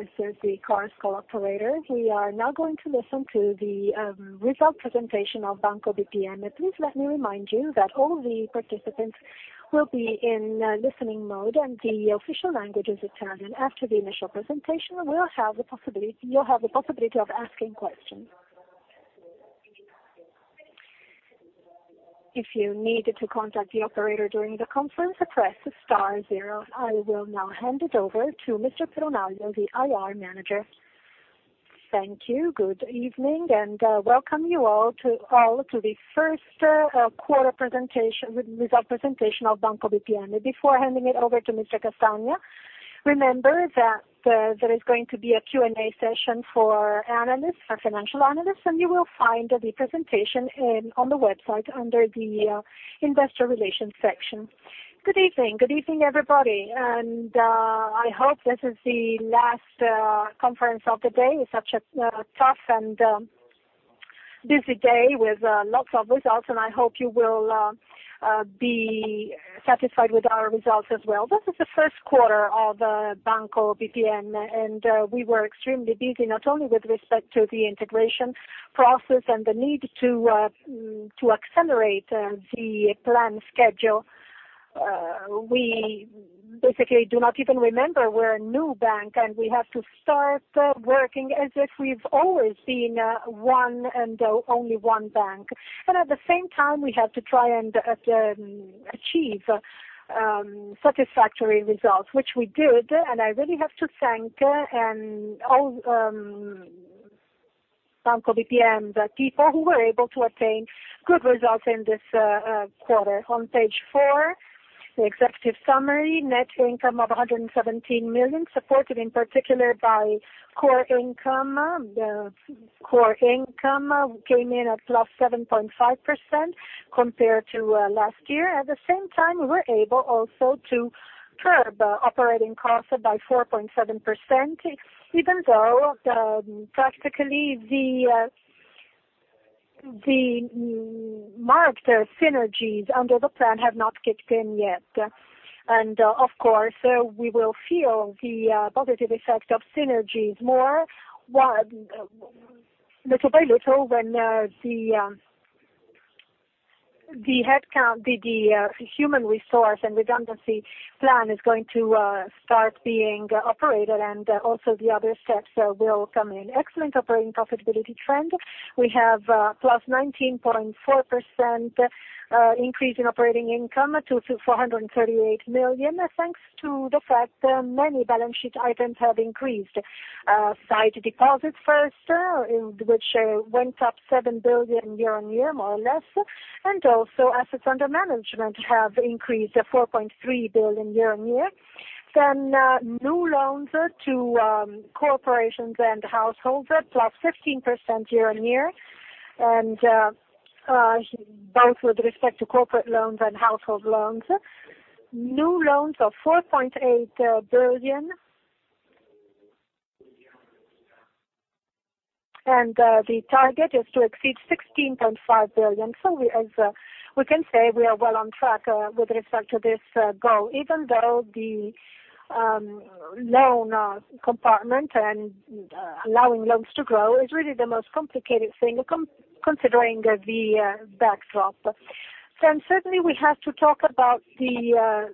This is the Chorus Call operator. We are now going to listen to the result presentation of Banco BPM. Please let me remind you that all the participants will be in listening mode and the official language is Italian. After the initial presentation, you will have the possibility of asking questions. If you need to contact the operator during the conference, press star zero. I will now hand it over to Mr. Castagna, the IR manager. Thank you. Good evening, and welcome you all to the first quarter result presentation of Banco BPM. Before handing it over to Mr. Castagna, remember that there is going to be a Q&A session for financial analysts, and you will find the presentation on the website under the investor relations section. Good evening, everybody, and I hope this is the last conference of the day. Such a tough and busy day with lots of results, and I hope you will be satisfied with our results as well. This is the first quarter of Banco BPM, and we were extremely busy, not only with respect to the integration process and the need to accelerate the plan schedule. We basically do not even remember we are a new bank, and we have to start working as if we have always been one and only one bank. But at the same time, we have to try and achieve satisfactory results, which we did, and I really have to thank all Banco BPM's people who were able to obtain good results in this quarter. On page four, the executive summary, net income of 117 million, supported in particular by core income. The core income came in at +7.5% compared to last year. At the same time, we were able also to curb operating costs by 4.7%, even though practically the market synergies under the plan have not kicked in yet. And of course, we will feel the positive effect of synergies more, little by little, when the human resource and redundancy plan is going to start being operated and also the other steps will come in. Excellent operating profitability trend. We have +19.4% increase in operating income to 438 million, thanks to the fact that many balance sheet items have increased. Sight deposits first, which went up 7 billion year-on-year, more or less, and also assets under management have increased 4.3 billion year-on-year. Then new loans to corporations and households, +15% year-on-year, both with respect to corporate loans and household loans. New loans of EUR 4.8 billion. The target is to exceed 16.5 billion, so we can say we are well on track with respect to this goal, even though the loan compartment and allowing loans to grow is really the most complicated thing, considering the backdrop. Then certainly we have to talk about the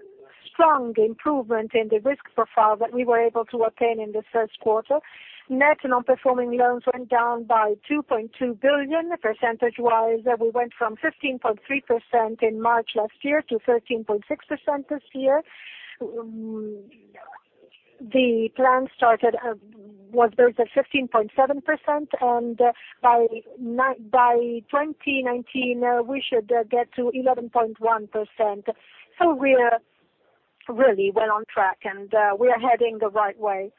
strong improvement in the risk profile that we were able to obtain in this first quarter. Net Non-Performing Loans went down by 2.2 billion. Percentage-wise, we went from 15.3% in March last year to 13.6% this year. The plan started with 15.7%, and by 2019, we should get to 11.1%. So we are really well on track, and we are heading the right way.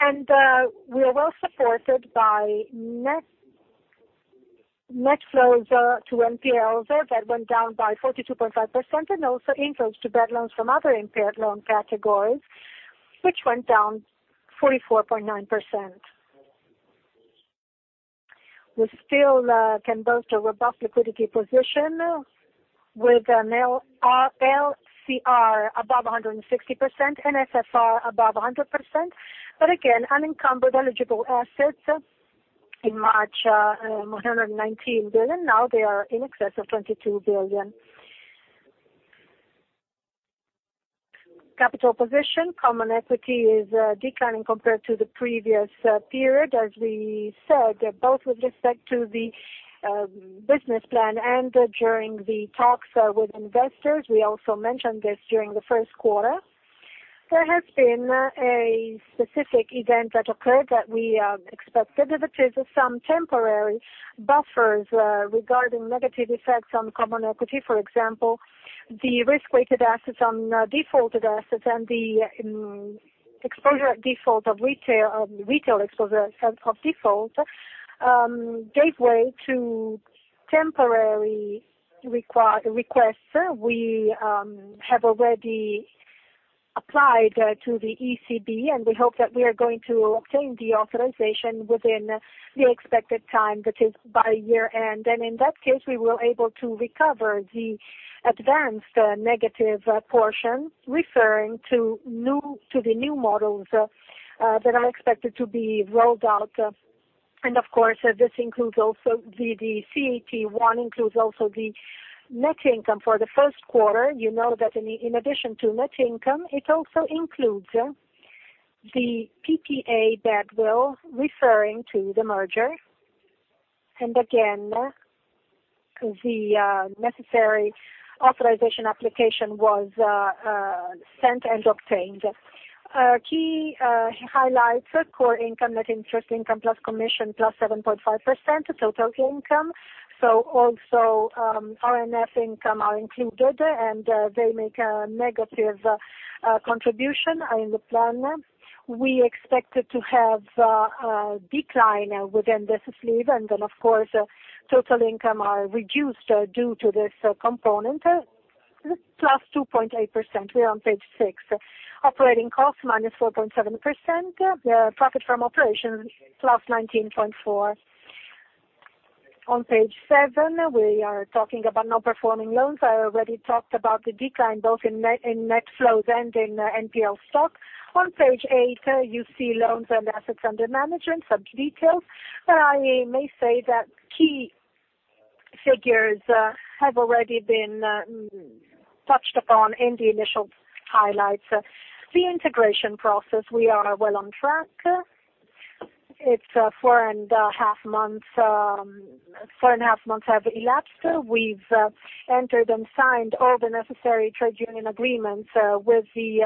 And we are well supported by net flows to NPLs that went down by 42.5%, and also inflows to bad loans from other impaired loan categories, which went down 44.9%. We still can boast a robust liquidity position with LCR above 160% and NSFR above 100%. Again, unencumbered eligible assets in March, 119 billion. Now they are in excess of 22 billion. Capital position. Common equity is declining compared to the previous period. As we said, both with respect to the business plan and during the talks with investors, we also mentioned this during the first quarter. There has been a specific event that occurred that we expected, that is some temporary buffers regarding negative effects on common equity. For example, the risk-weighted assets on defaulted assets and the retail exposure of default gave way to temporary requests. We have already applied to the ECB, and we hope that we are going to obtain the authorization within the expected time, that is, by year-end. In that case, we will be able to recover the advanced negative portions referring to the new models that are expected to be rolled out. Of course, this includes also the CET1, includes also the net income for the first quarter. You know that in addition to net income, it also includes the PPA bad will referring to the merger. Again, the necessary authorization application was sent and obtained. Key highlights, core income, net interest income plus commission +7.5% total income. Also, NFR income are included, and they make a negative contribution in the plan. We expected to have a decline within this sleeve, and then, of course, total income are reduced due to this component, +2.8%. We are on page six. Operating costs, -4.7%. The profit from operations, +19.4%. On page seven, we are talking about non-performing loans. I already talked about the decline both in net flows and in NPL stock. On page eight, you see loans and assets under management, some details. I may say that key figures have already been touched upon in the initial highlights. The integration process, we are well on track. It's four and a half months have elapsed. We've entered and signed all the necessary trade union agreements with the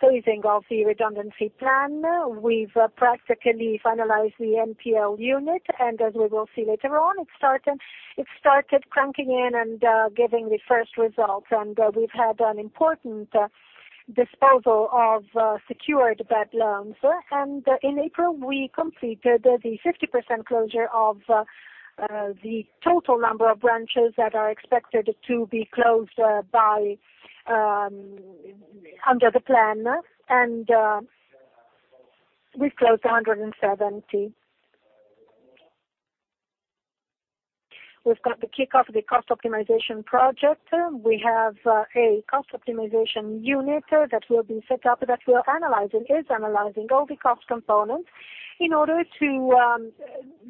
phasing of the redundancy plan. We've practically finalized the NPL unit, and as we will see later on, it started cranking in and giving the first results, and we've had an important disposal of secured bad loans. In April, we completed the 50% closure of the total number of branches that are expected to be closed under the plan, and we've closed 170. We've got the kickoff of the cost optimization project. We have a cost optimization unit that will be set up that is analyzing all the cost components in order to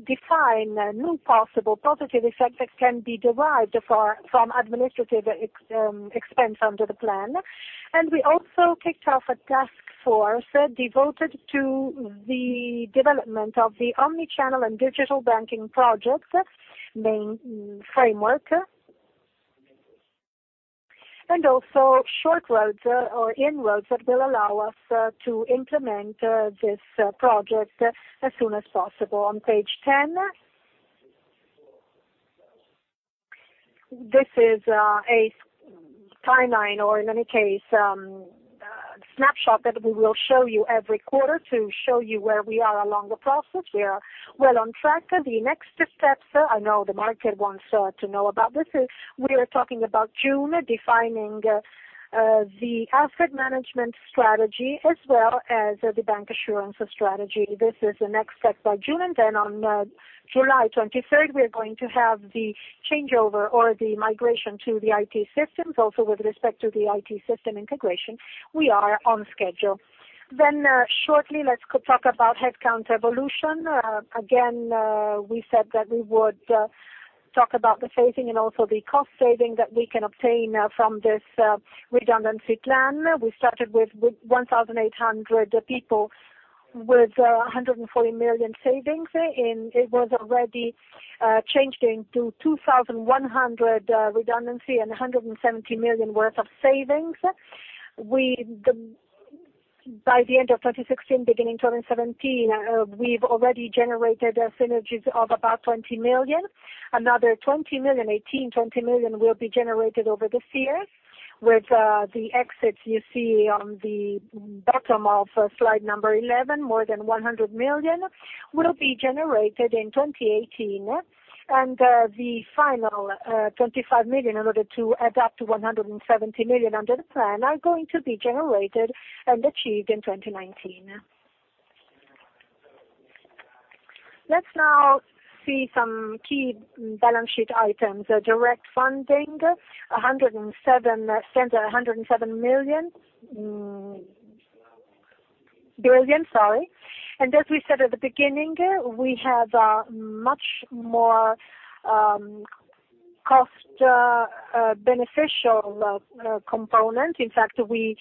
define new possible positive effects that can be derived from administrative expense under the plan. We also kicked off a task force devoted to the development of the omni-channel and digital banking project main framework. Also short roads or inroads that will allow us to implement this project as soon as possible. On page 10, this is a timeline or in any case, snapshot that we will show you every quarter to show you where we are along the process. We are well on track. The next steps, I know the market wants to know about this, is we are talking about June, defining the asset management strategy as well as the bancassurance strategy. This is the next step by June. Then on July 23rd, we are going to have the changeover or the migration to the IT systems. With respect to the IT system integration, we are on schedule. Shortly, let's talk about headcount evolution. Again, we said that we would talk about the phasing and also the cost saving that we can obtain from this redundancy plan. We started with 1,800 people with 140 million savings. It was already changed into 2,100 redundancy and 170 million worth of savings. By the end of 2016, beginning 2017, we've already generated synergies of about 20 million. Another 18 million-20 million will be generated over this year. With the exits you see on the bottom of slide 11, more than 100 million will be generated in 2018. The final 25 million, in order to add up to 170 million under the plan, are going to be generated and achieved in 2019. Let's now see some key balance sheet items. Direct funding, 107 billion. As we said at the beginning, we have a much more cost beneficial component. In fact, we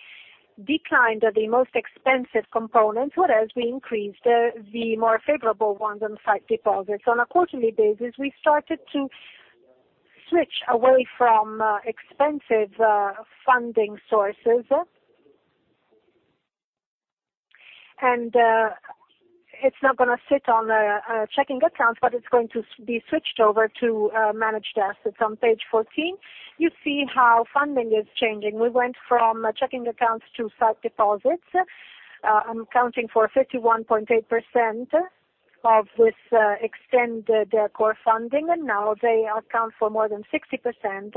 declined the most expensive component, whereas we increased the more favorable ones on sight deposits. On a quarterly basis, we started to switch away from expensive funding sources. It's not going to sit on a checking account, but it's going to be switched over to managed assets. On page 14, you see how funding is changing. We went from checking accounts to sight deposits, accounting for 51.8% of this extended core funding. Now they account for more than 60%.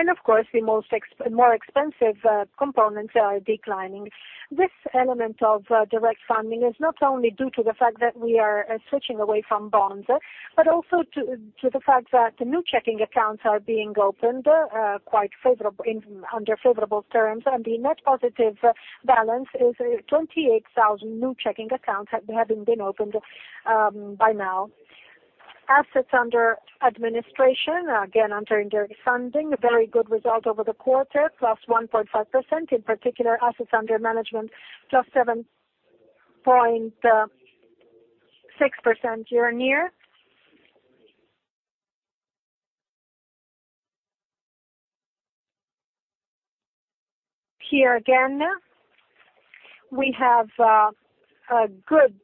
Of course, the more expensive components are declining. This element of direct funding is not only due to the fact that we are switching away from bonds, but also to the fact that new checking accounts are being opened under favorable terms. The net positive balance is 28,000 new checking accounts having been opened by now. Assets under administration, again under indirect funding, a very good result over the quarter, +1.5%, in particular assets under management, +7.6% year-on-year. Here again, we have a good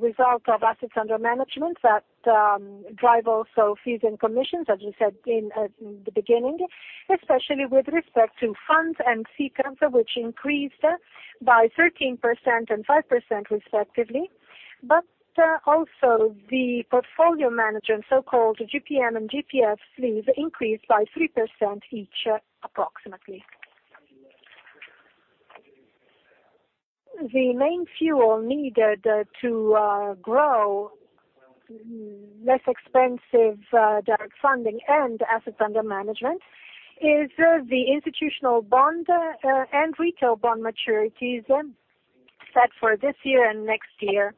result of assets under management that drive also fees and commissions, as we said in the beginning, especially with respect to funds and fee trends, which increased by 13% and 5% respectively. Also the portfolio management, so-called GPM and GPS fees increased by 3% each approximately. The main fuel needed to grow less expensive direct funding and assets under management is the institutional bond and retail bond maturities set for this year and next year.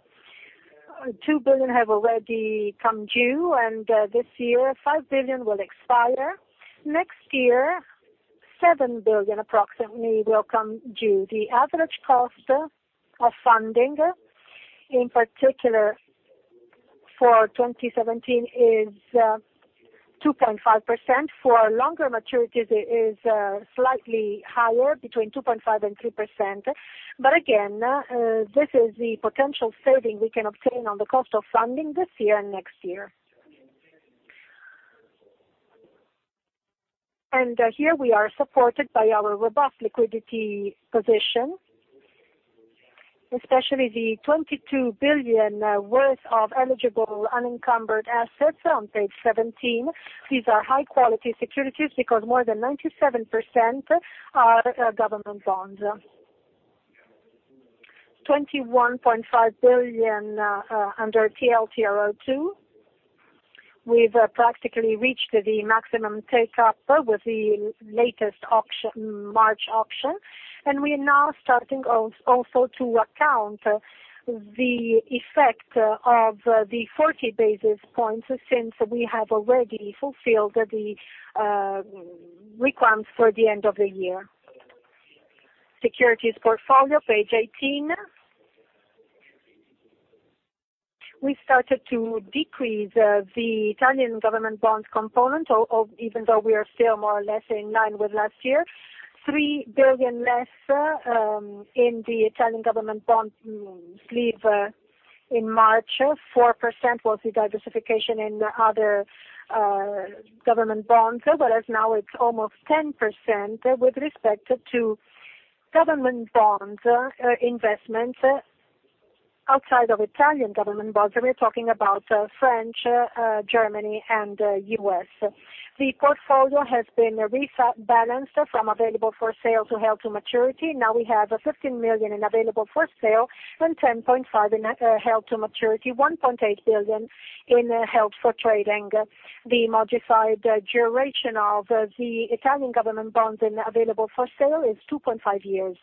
2 billion have already come due. This year 5 billion will expire. Next year, 7 billion approximately will come due. The average cost of funding, in particular for 2017, is 2.5%. For longer maturities, it is slightly higher, between 2.5% and 3%. Again, this is the potential saving we can obtain on the cost of funding this year and next year. Here we are supported by our robust liquidity position, especially the 22 billion worth of eligible unencumbered assets on page 17. These are high-quality securities because more than 97% are government bonds. 21.5 billion under TLTRO II. We've practically reached the maximum take-up with the latest March auction. We are now starting also to account the effect of the 40 basis points since we have already fulfilled the requirements for the end of the year. Securities portfolio, page 18. We started to decrease the Italian government bonds component, even though we are still more or less in line with last year. 3 billion less in the Italian government bonds sleeve in March, 4% was the diversification in other government bonds, whereas now it's almost 10% with respect to government bond investments outside of Italian government bonds, and we are talking about French, Germany, and U.S. The portfolio has been rebalanced from available for sale to held to maturity. Now we have 15 million in available for sale and 10.5 million in held to maturity, 1.8 billion in held for trading. The modified duration of the Italian government bonds in available for sale is 2.5 years.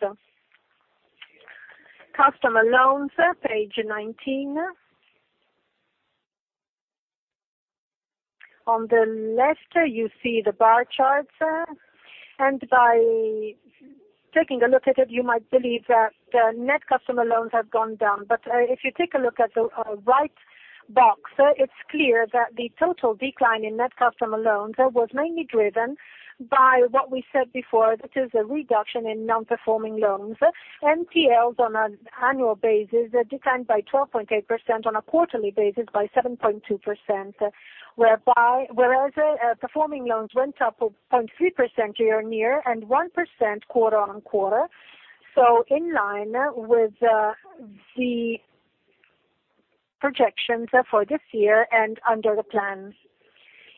Customer loans, page 19. On the left, you see the bar charts. By taking a look at it, you might believe that the net customer loans have gone down. If you take a look at the right box, it's clear that the total decline in net customer loans was mainly driven by what we said before, that is a reduction in non-performing loans. NPLs on an annual basis declined by 12.8%, on a quarterly basis by 7.2%, whereas performing loans went up 0.3% year-on-year and 1% quarter-on-quarter. In line with the projections for this year and under the plans.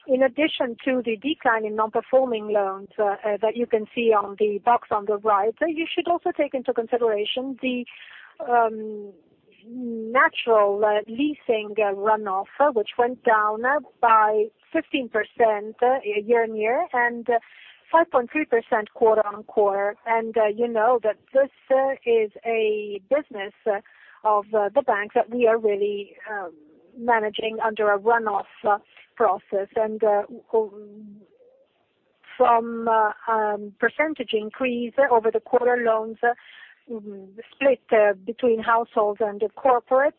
In addition to the decline in non-performing loans that you can see on the box on the right, you should also take into consideration the natural leasing runoff, which went down by 15% year-on-year and 5.3% quarter-on-quarter. You know that this is a business of the bank that we are really managing under a run-off process. From percentage increase over the quarter loans split between households and corporate,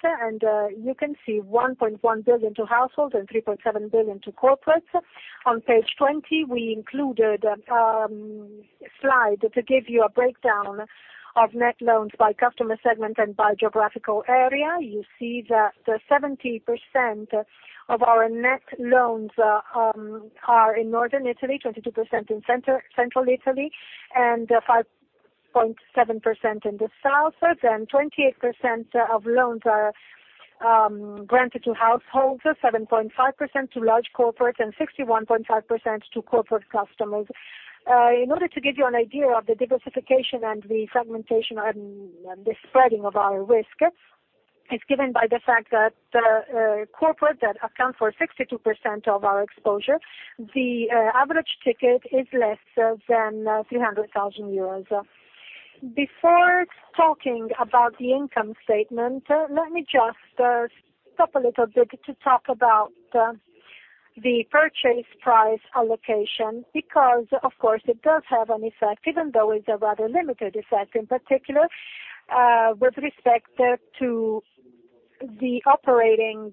you can see 1.1 billion to households and 3.7 billion to corporates. On page 20, we included a slide to give you a breakdown of net loans by customer segment and by geographical area. You see that 70% of our net loans are in Northern Italy, 22% in Central Italy, and 5.7% in the South. 28% of loans are granted to households, 7.5% to large corporates, and 61.5% to corporate customers. In order to give you an idea of the diversification and the fragmentation and the spreading of our risk, it's given by the fact that corporate that account for 62% of our exposure, the average ticket is less than 300,000 euros. Before talking about the income statement, let me just stop a little bit to talk about the Purchase Price Allocation, because of course it does have an effect, even though it's a rather limited effect, in particular, with respect to the operating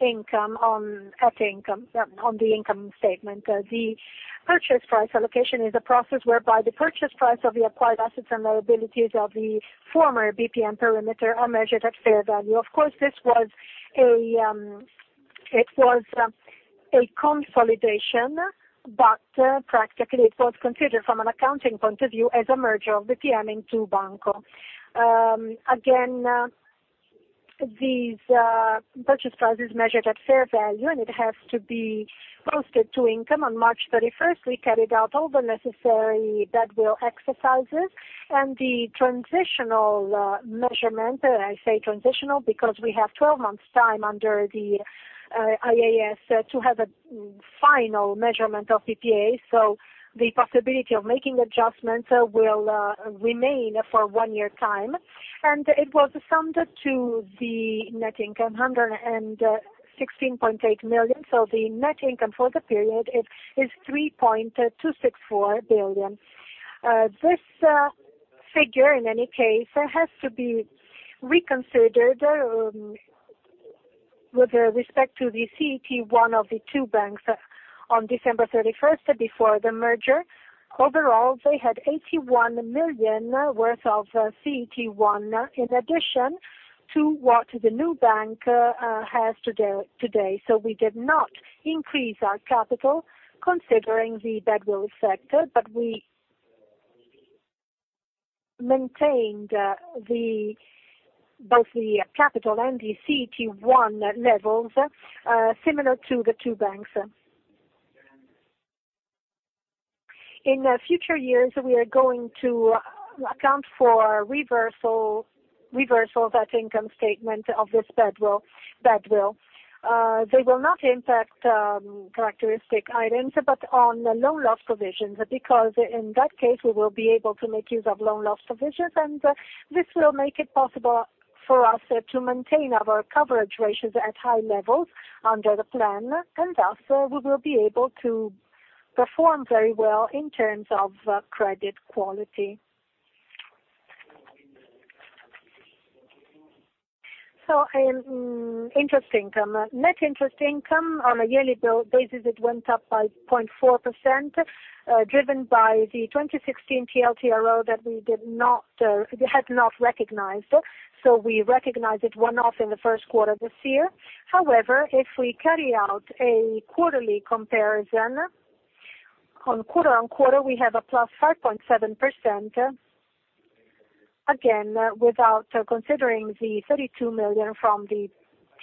income on the income statement. The Purchase Price Allocation is a process whereby the purchase price of the acquired assets and liabilities of the former BPM perimeter are measured at fair value. Of course, this was a consolidation, but practically it was considered from an accounting point of view as a merger of BPM into Banco. This purchase price is measured at fair value, and it has to be posted to income on March 31st. We carried out all the necessary goodwill exercises and the transitional measurement, and I say transitional because we have 12 months' time under the IAS to have a final measurement of PPA. The possibility of making adjustments will remain for one year time, and it was summed to the net income, 116.8 million. The net income for the period is 3.264 billion. This figure, in any case, has to be reconsidered with respect to the CET1 of the two banks on December 31st before the merger. Overall, they had 81 million worth of CET1 in addition to what the new bank has today. We did not increase our capital considering the goodwill effect, but we maintained both the capital and the CET1 levels, similar to the two banks. In future years, we are going to account for reversal of that income statement of this goodwill. They will not impact characteristic items, but on the Loan Loss Provisions, because in that case, we will be able to make use of Loan Loss Provisions, and this will make it possible for us to maintain our coverage ratios at high levels under the plan, and thus we will be able to perform very well in terms of credit quality. In interest income. Net interest income on a yearly basis, it went up by 0.4%, driven by the 2016 TLTRO that we had not recognized. We recognized it one-off in the first quarter this year. If we carry out a quarterly comparison, quarter-on-quarter, we have a +5.7%, again, without considering the 32 million from the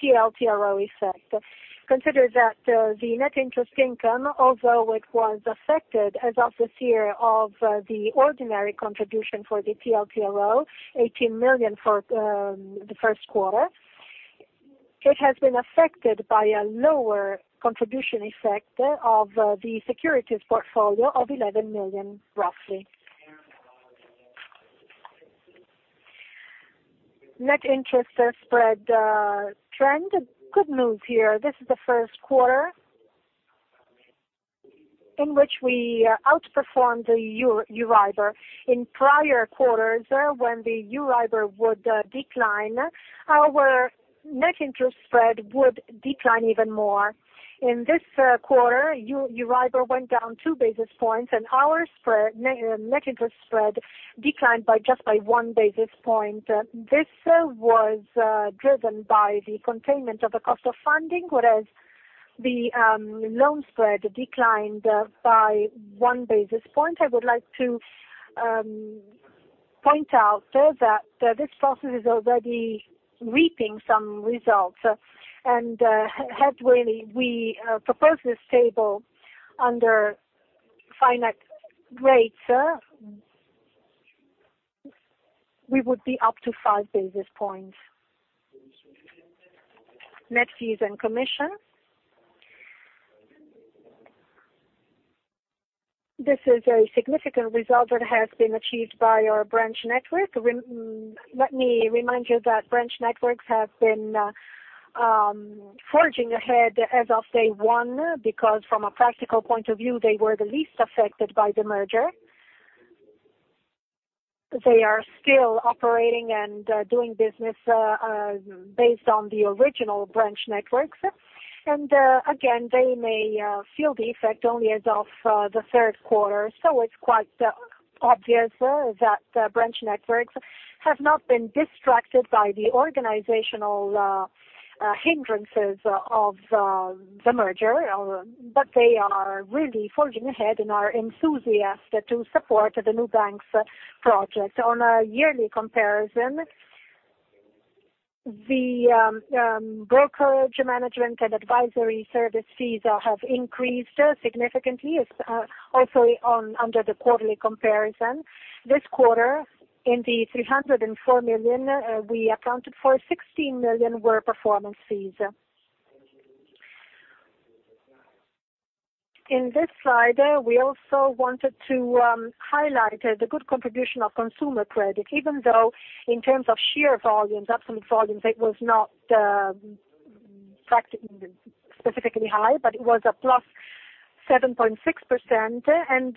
TLTRO effect. Consider that the net interest income, although it was affected as of this year of the ordinary contribution for the TLTRO, 18 million for the first quarter, it has been affected by a lower contribution effect of the securities portfolio of 11 million, roughly. Net interest spread trend. Good news here. This is the first quarter in which we outperformed the Euribor. In prior quarters, when the Euribor would decline, our net interest spread would decline even more. In this quarter, Euribor went down two basis points, and our net interest spread declined by just by one basis point. This was driven by the containment of the cost of funding, whereas the loan spread declined by one basis point. I would like to point out that this process is already reaping some results, had we proposed this table under FINAC rates, we would be up to five basis points. Net fees and commission. This is a significant result that has been achieved by our branch network. Let me remind you that branch networks have been forging ahead as of day one, because from a practical point of view, they were the least affected by the merger. They are still operating and doing business based on the original branch networks. Again, they may feel the effect only as of the third quarter. It's quite obvious that branch networks have not been distracted by the organizational hindrances of the merger, but they are really forging ahead and are enthusiastic to support the new bank's project. On a yearly comparison, the brokerage management and advisory service fees have increased significantly, also under the quarterly comparison. This quarter, in the 304 million, we accounted for 16 million were performance fees. In this slide, we also wanted to highlight the good contribution of consumer credit, even though in terms of sheer volumes, absolute volumes, it was not specifically high, but it was a +7.6%.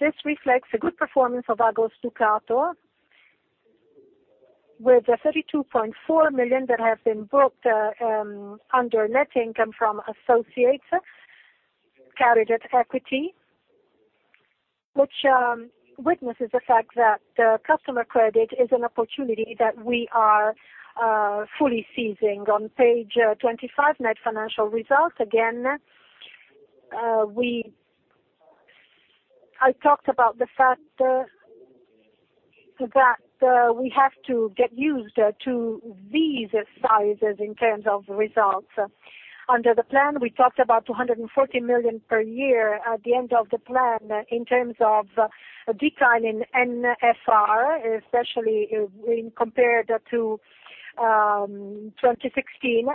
This reflects the good performance of Agos Ducato, with the 32.4 million that have been booked under net income from associates carried at equity, which witnesses the fact that the customer credit is an opportunity that we are fully seizing. On page 25, net financial results, again, I talked about the fact that we have to get used to these sizes in terms of results. Under the plan, we talked about 240 million per year at the end of the plan in terms of a decline in NFR, especially when compared to 2016,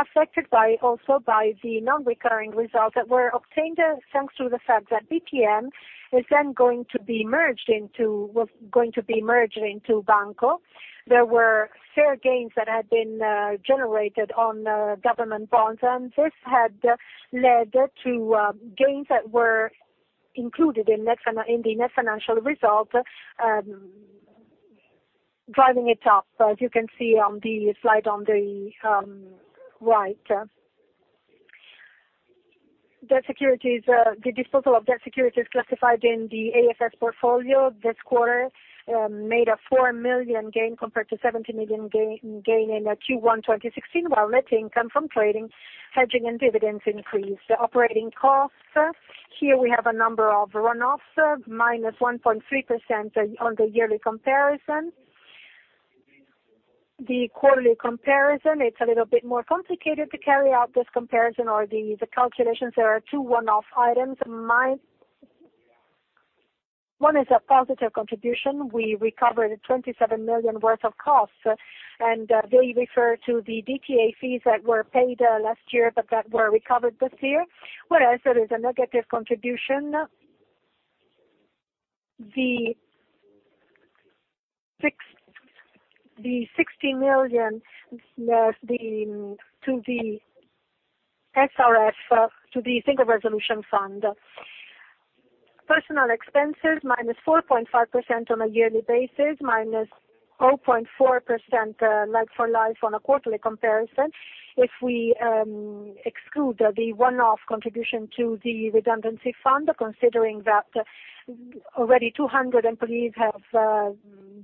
affected also by the non-recurring results that were obtained thanks to the fact that BPM was going to be merged into Banco. There were fair gains that had been generated on government bonds, this had led to gains that were included in the net financial result, driving it up, as you can see on the slide on the right. The disposal of debt securities classified in the AFS portfolio this quarter made a 4 million gain compared to 70 million gain in Q1 2016, while net income from trading, hedging, and dividends increased. Operating costs. Here we have a number of runoffs, -1.3% on the yearly comparison. The quarterly comparison, it's a little bit more complicated to carry out this comparison or the calculations. There are two one-off items. One is a positive contribution. We recovered 27 million worth of costs, they refer to the DTA fees that were paid last year but that were recovered this year. There is a negative contribution, the EUR 60 million to the SRF, to the Single Resolution Fund. Personal expenses, -4.5% on a yearly basis, -0.4% like-for-like on a quarterly comparison. If we exclude the one-off contribution to the redundancy fund, considering that already 200 employees have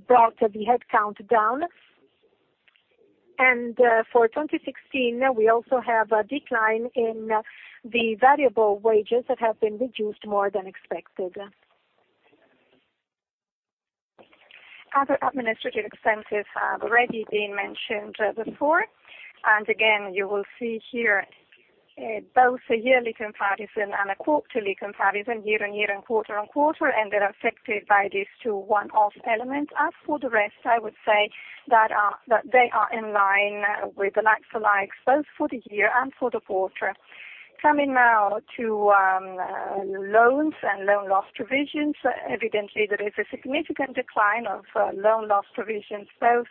brought the head count down. For 2016, we also have a decline in the variable wages that have been reduced more than expected. Other administrative expenses have already been mentioned before, again, you will see here both a yearly comparison and a quarterly comparison, year on year and quarter on quarter, they're affected by these two one-off elements. As for the rest, I would say that they are in line with the like for likes, both for the year and for the quarter. Coming now to loans and Loan Loss Provisions. Evidently, there is a significant decline of Loan Loss Provisions, both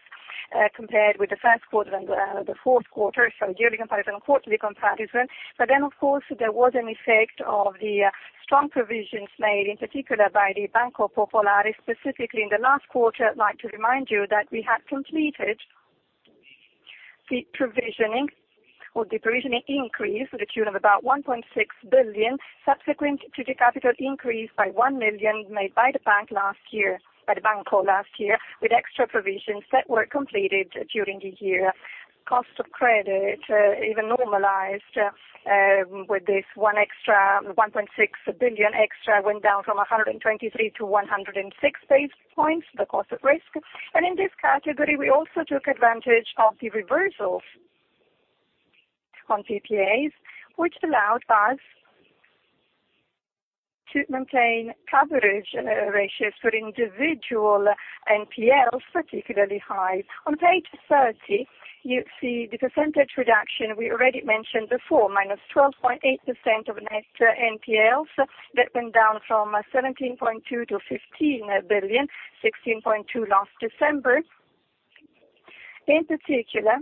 compared with the first quarter and the fourth quarter, so yearly comparison, quarterly comparison. Of course, there was an effect of the strong provisions made, in particular by the Banco Popolare, specifically in the last quarter. I'd like to remind you that we had completed the provisioning or the provisioning increase to the tune of about 1.6 billion, subsequent to the capital increase by 1 million made by the Banco last year, with extra provisions that were completed during the year. Cost of credit, even normalized with this 1.6 billion extra, went down from 123 to 106 basis points, the cost of risk. In this category, we also took advantage of the reversals on PPAs, which allowed us to maintain coverage ratios for individual NPLs particularly high. On page 30, you see the percentage reduction we already mentioned before, -12.8% of net NPLs that went down from 17.2 billion to 15 billion, 16.2 billion last December. In particular,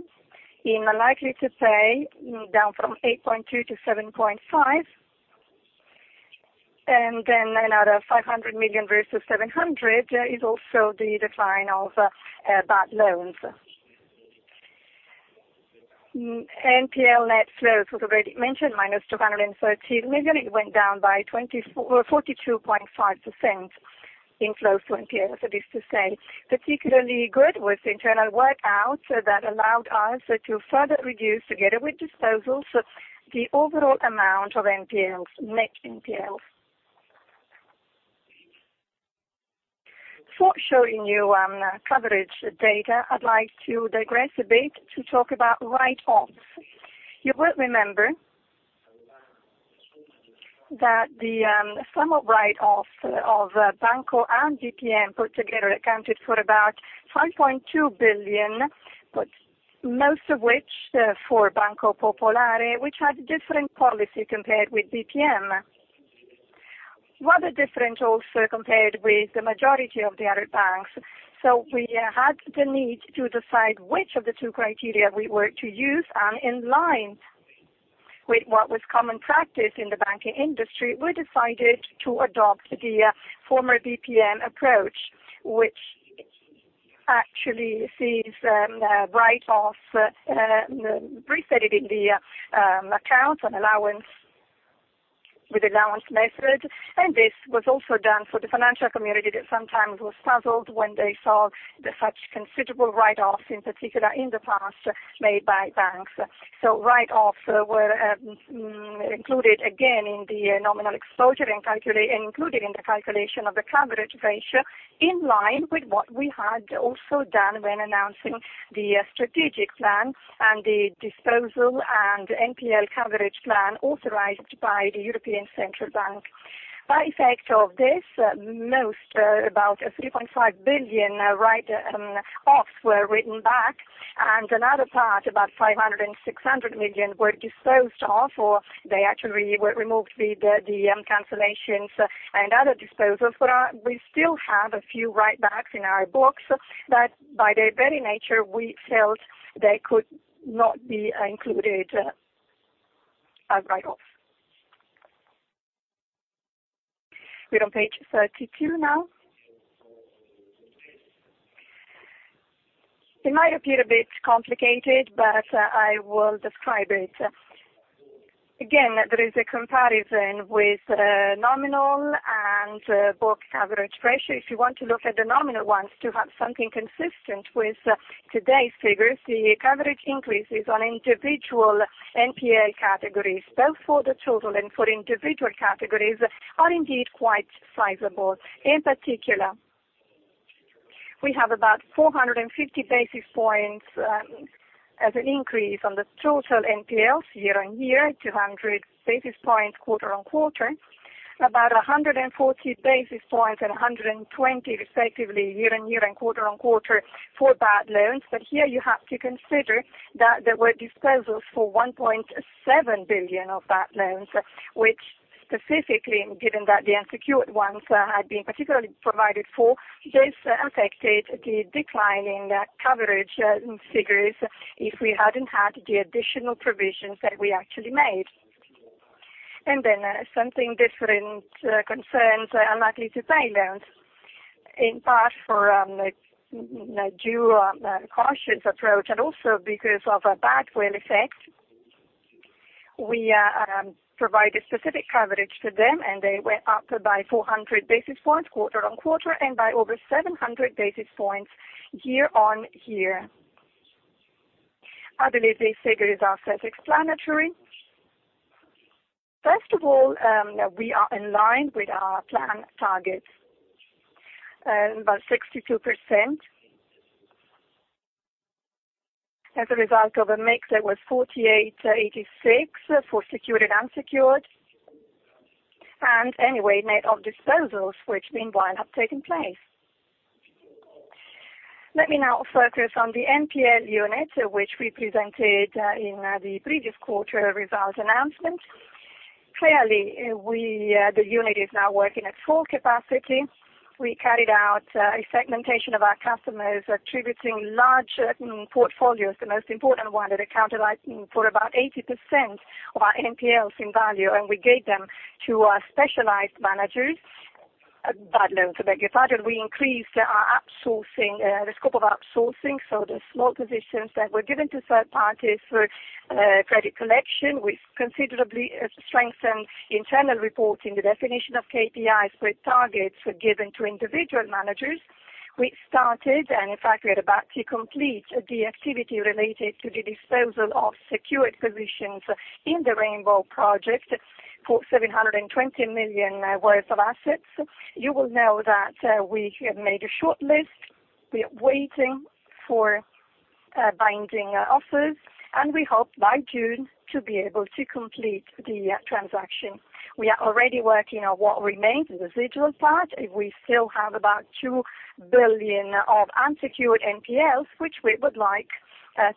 in Unlikely to Pay, down from 8.2 to 7.5, another 500 million versus 700 is also the decline of bad loans. NPL net flows was already mentioned, -213 million. It went down by 42.5% in flow to NPLs, that is to say. Particularly good was internal workout that allowed us to further reduce, together with disposals, the overall amount of net NPLs. Before showing you coverage data, I'd like to digress a bit to talk about write-offs. You will remember that the sum of write-off of Banco and BPM put together accounted for about 5.2 billion. Most of which for Banco Popolare, which had different policy compared with BPM. Rather different also compared with the majority of the other banks. We had the need to decide which of the two criteria we were to use, and in line with what was common practice in the banking industry, we decided to adopt the former BPM approach, which actually sees write-offs pre-setted in the account with allowance method. This was also done for the financial community that sometimes was puzzled when they saw such considerable write-offs in particular in the past made by banks. Write-offs were included again in the nominal exposure and included in the calculation of the coverage ratio, in line with what we had also done when announcing the strategic plan and the disposal and NPL coverage plan authorized by the European Central Bank. By effect of this, most about 3.5 billion write-offs were written back, another part about 500 million and 600 million were disposed of, or they actually were removed via the cancellations and other disposals. We still have a few write-backs in our books that, by their very nature, we felt they could not be included as write-offs. We're on page 32 now. It might appear a bit complicated, but I will describe it. Again, there is a comparison with nominal and book coverage ratio. If you want to look at the nominal ones to have something consistent with today's figures, the coverage increases on individual NPL categories, both for the total and for individual categories, are indeed quite sizable. In particular, we have about 450 basis points as an increase on the total NPLs year-on-year, 200 basis points quarter-on-quarter, about 140 basis points and 120 respectively year-on-year and quarter-on-quarter for bad loans. Here you have to consider that there were disposals for 1.7 billion of bad loans, which specifically, given that the unsecured ones had been particularly provided for, this affected the decline in coverage in figures if we hadn't had the additional provisions that we actually made. Something different concerns Unlikely to Pay loans. In part for due cautious approach because of a bad will effect, we provided specific coverage to them, they went up by 400 basis points quarter-on-quarter and by over 700 basis points year-on-year. I believe these figures are self-explanatory. First of all, we are in line with our planned targets, about 62%, as a result of a mix that was 48/86 for secured/unsecured, net of disposals, which meanwhile have taken place. Let me now focus on the NPL unit, which we presented in the previous quarter results announcement. Clearly, the unit is now working at full capacity. We carried out a segmentation of our customers, attributing large portfolios, the most important one that accounted for about 80% of our NPLs in value, we gave them to our specialized managers, bad loans managers. We increased our outsourcing, the scope of outsourcing, the small positions that were given to third parties for credit collection. We've considerably strengthened internal reporting, the definition of KPIs with targets given to individual managers. We started, in fact, we are about to complete the activity related to the disposal of secured positions in the Rainbow Project for 720 million worth of assets. You will know that we have made a shortlist. We are waiting for binding offers, we hope by June to be able to complete the transaction. We are already working on what remains, the residual part. We still have about 2 billion of unsecured NPLs, which we would like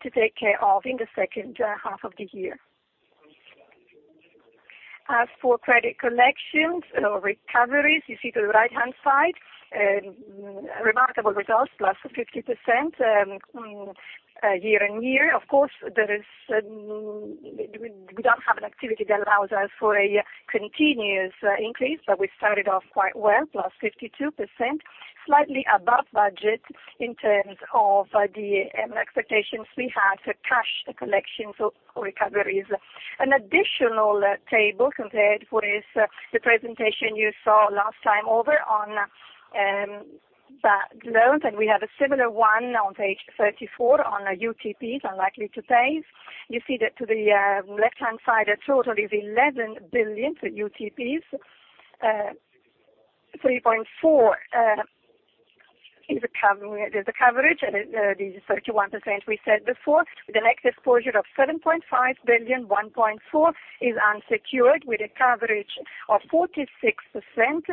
to take care of in the second half of the year. As for credit collections, recoveries, you see to the right-hand side, remarkable results, +50% year-on-year. Of course, we don't have an activity that allows us for a continuous increase, we started off quite well, +52%, slightly above budget in terms of the expectations we had for cash collections or recoveries. An additional table compared with the presentation you saw last time over on bad loans, we have a similar one on page 34 on UTPs, Unlikely to Pays. You see that to the left-hand side, the total is 11 billion to UTPs, 3.4 billion is the coverage, this is 31% we said before, with an active exposure of 7.5 billion, 1.4 billion is unsecured with a coverage of 46%, 6.2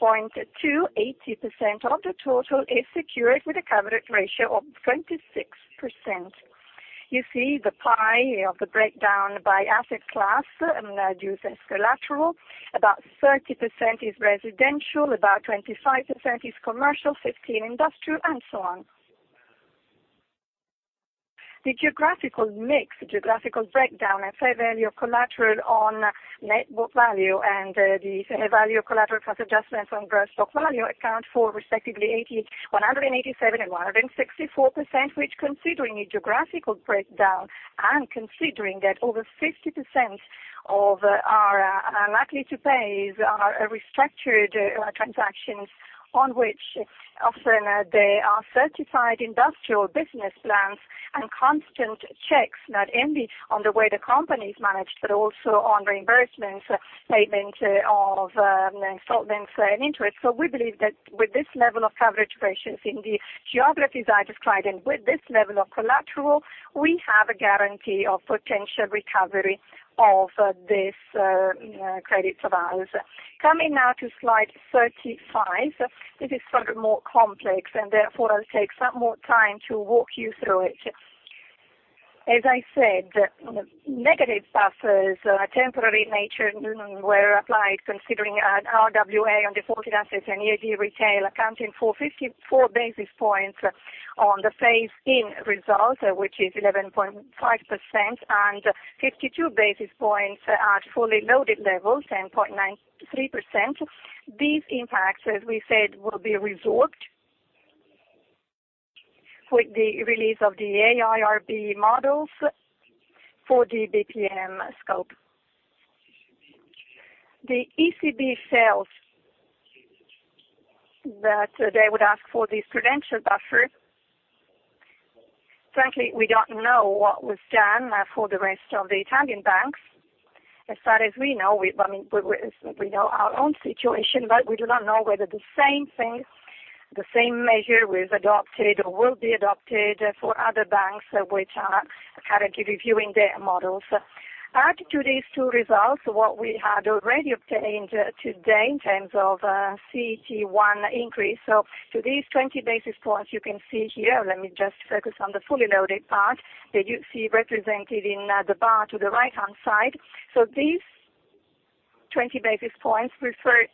billion, 80% of the total is secured with a coverage ratio of 26%. You see the pie of the breakdown by asset class and use as collateral. About 30% is residential, about 25% is commercial, 15% industrial. The geographical mix, the geographical breakdown and fair value of collateral on net book value and the fair value of collateral plus adjustments on gross book value account for respectively 187% and 164%, which considering the geographical breakdown and considering that over 50% of our Unlikely to Pay are restructured transactions on which often there are certified industrial business plans and constant checks, not only on the way the company is managed, but also on reimbursements, payment of installments and interest. We believe that with this level of coverage ratios in the geographies I described, and with this level of collateral, we have a guarantee of potential recovery of these credit profiles. Coming now to slide 35. This is sort of more complex, and therefore I'll take some more time to walk you through it. As I said, negative buffers are temporary in nature and were applied considering an RWA on defaulted assets and EAD retail accounting for 54 basis points on the phase-in result, which is 11.5%, and 52 basis points at fully loaded levels, 10.93%. These impacts, as we said, will be resorted with the release of the A-IRB models for the BPM scope. The ECB says that they would ask for these prudential buffers. Frankly, we don't know what was done for the rest of the Italian banks. As far as we know, we know our own situation, but we do not know whether the same things, the same measure was adopted or will be adopted for other banks which are currently reviewing their models. Added to these two results, what we had already obtained to date in terms of CET1 increase. To these 20 basis points you can see here, let me just focus on the fully loaded part that you see represented in the bar to the right-hand side. These 20 basis points refer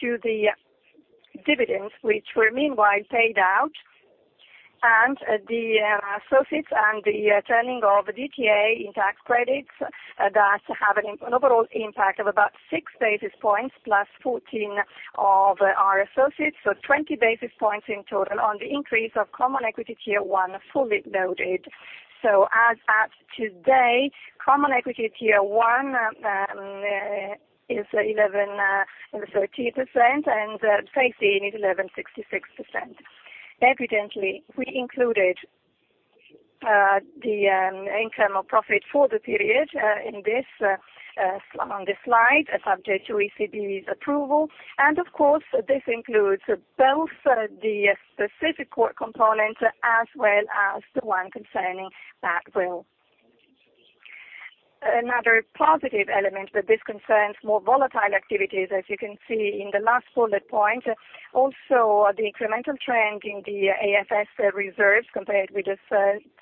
to the dividends which were meanwhile paid out, and the associates and the turning of DTA in tax credits that have an overall impact of about six basis points plus 14 of our associates, 20 basis points in total on the increase of Common Equity Tier 1 fully loaded. As at today, Common Equity Tier 1 is 11.13%, and phase-in is 11.66%. Evidently, we included the internal profit for the period on this slide, subject to ECB's approval. This includes both the specific core component as well as the one concerning bad will. Another positive element, this concerns more volatile activities, as you can see in the last bullet point. Also, the incremental trend in the AFS reserves compared with the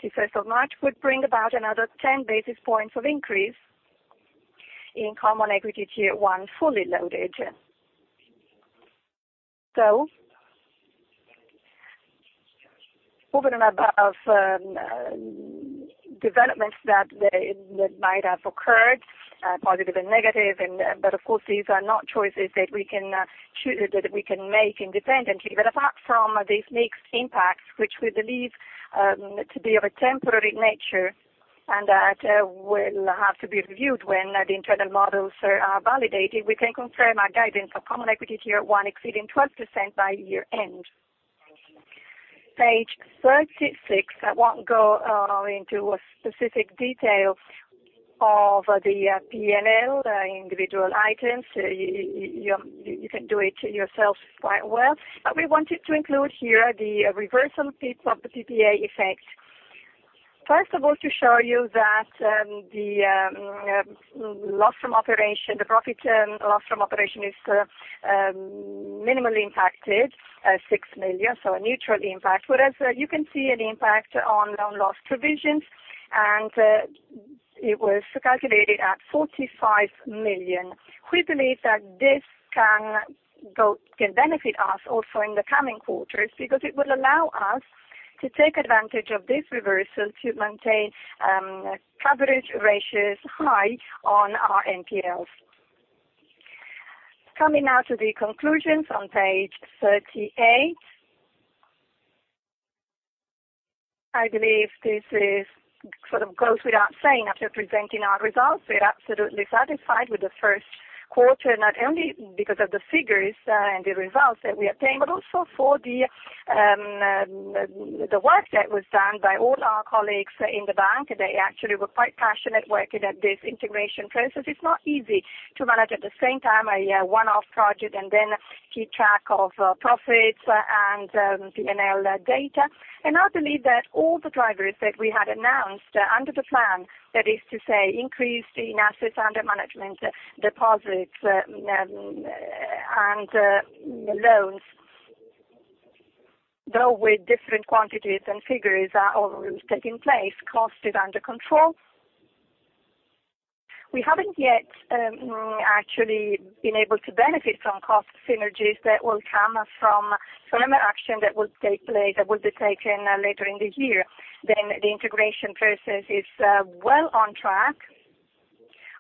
31st of March would bring about another 10 basis points of increase in Common Equity Tier 1 fully loaded. Over and above developments that might have occurred, positive and negative, but of course, these are not choices that we can make independently. Apart from these mixed impacts, which we believe to be of a temporary nature and that will have to be reviewed when the internal models are validated, we can confirm our guidance for Common Equity Tier 1 exceeding 12% by year-end. Page 36. I won't go into specific details of the P&L, the individual items. You can do it yourself quite well. We wanted to include here the reversal peak of the PPA effect. First of all, to show you that the profit and loss from operation is minimally impacted, 6 million, so a neutral impact. Whereas you can see an impact on Loan Loss Provisions, and it was calculated at 45 million. We believe that this can benefit us also in the coming quarters because it will allow us to take advantage of this reversal to maintain coverage ratios high on our NPLs. Coming now to the conclusions on page 38. I believe this sort of goes without saying after presenting our results, we are absolutely satisfied with the first quarter, not only because of the figures and the results that we obtained, but also for the work that was done by all our colleagues in the bank. They actually were quite passionate working at this integration process. It's not easy to manage at the same time a one-off project and keep track of profits and P&L data. I believe that all the drivers that we had announced under the plan, that is to say, increase in assets under management, deposits, and loans, though with different quantities and figures, are all taking place. Cost is under control. We haven't yet actually been able to benefit from cost synergies that will come from some action that will be taken later in the year. The integration process is well on track.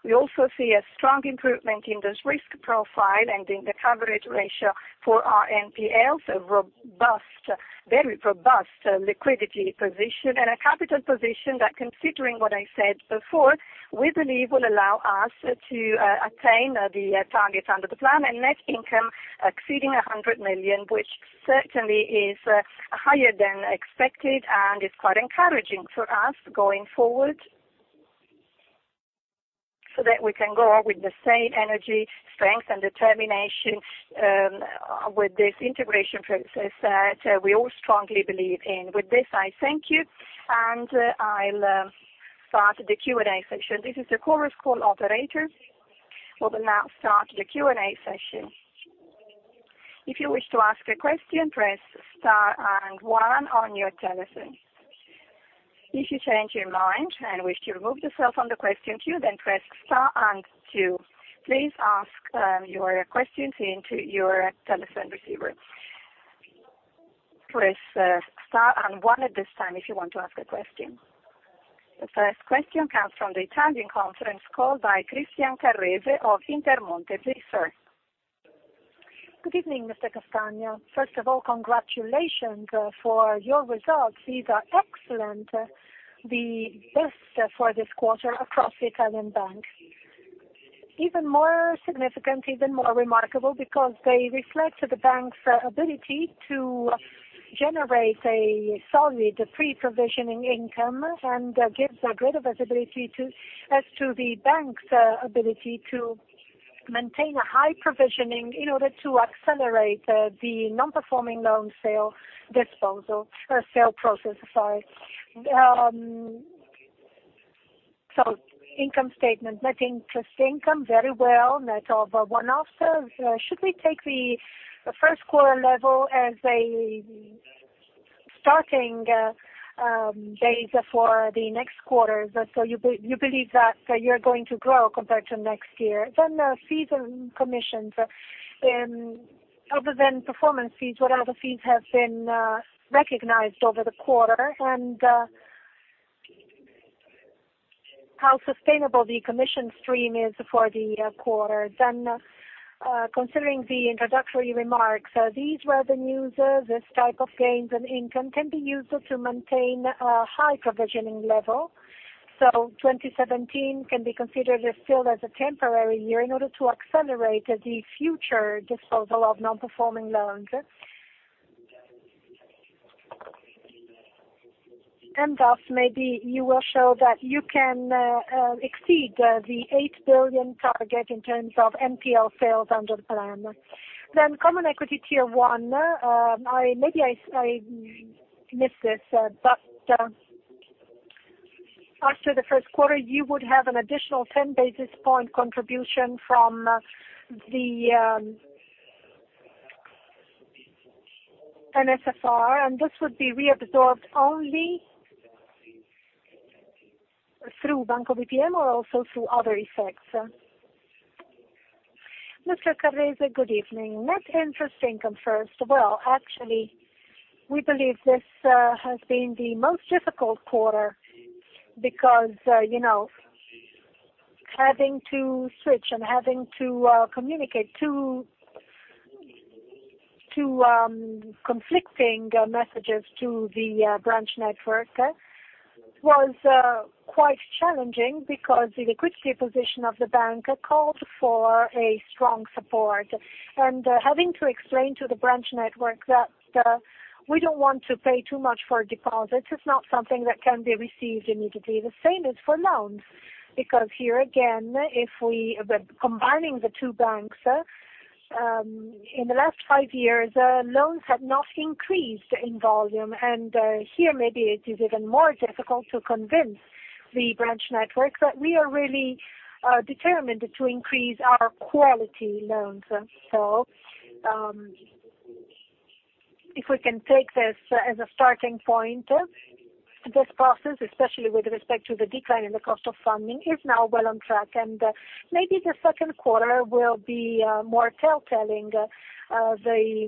We also see a strong improvement in this risk profile and in the coverage ratio for our NPLs, a very robust liquidity position and a capital position that, considering what I said before, we believe will allow us to attain the target under the plan, and net income exceeding 100 million, which certainly is higher than expected and is quite encouraging for us going forward, so that we can go on with the same energy, strength, and determination with this integration process that we all strongly believe in. With this, I thank you, and I'll start the Q&A session. This is the conference call operator, will now start the Q&A session. If you wish to ask a question, press star one on your telephone. If you change your mind and wish to remove yourself from the question queue, press star two. Please ask your questions into your telephone receiver. Press star one at this time if you want to ask a question. The first question comes from the Italian conference call by Christian Carrese of Intermonte. Please, sir. Good evening, Mr. Castagna. First of all, congratulations for your results. These are excellent, the best for this quarter across the Italian bank. Even more significant, even more remarkable because they reflect the bank's ability to generate a solid pre-provisioning income and gives a great visibility as to the bank's ability to maintain a high provisioning in order to accelerate the non-performing loan sale process. Income statement, net interest income, very well, net of one-offs. Should we take the first quarter level as a starting base for the next quarters? You believe that you're going to grow compared to next year? Fees and commissions. Other than performance fees, what other fees have been recognized over the quarter, and how sustainable the commission stream is for the quarter? Considering the introductory remarks, these revenues, this type of gains and income can be used to maintain a high provisioning level. 2017 can be considered still as a temporary year in order to accelerate the future disposal of non-performing loans. And thus, maybe you will show that you can exceed the 8 billion target in terms of NPL sales under the plan. Common equity tier one. Maybe I missed this, but after the first quarter, you would have an additional 10 basis point contribution from the NSFR, and this would be reabsorbed only through Banco BPM or also through other effects? Mr. Carrese, good evening. Net interest income first. Well, actually, we believe this has been the most difficult quarter because having to switch and having to communicate two conflicting messages to the branch network was quite challenging because the liquidity position of the bank called for a strong support. Having to explain to the branch network that we don't want to pay too much for deposits, it's not something that can be received immediately. The same is for loans, because here, again, if we are combining the two banks, in the last five years, loans have not increased in volume, and here, maybe it is even more difficult to convince the branch network that we are really determined to increase our quality loans. If we can take this as a starting point, this process, especially with respect to the decline in the cost of funding, is now well on track, and maybe the second quarter will be more tell-telling. The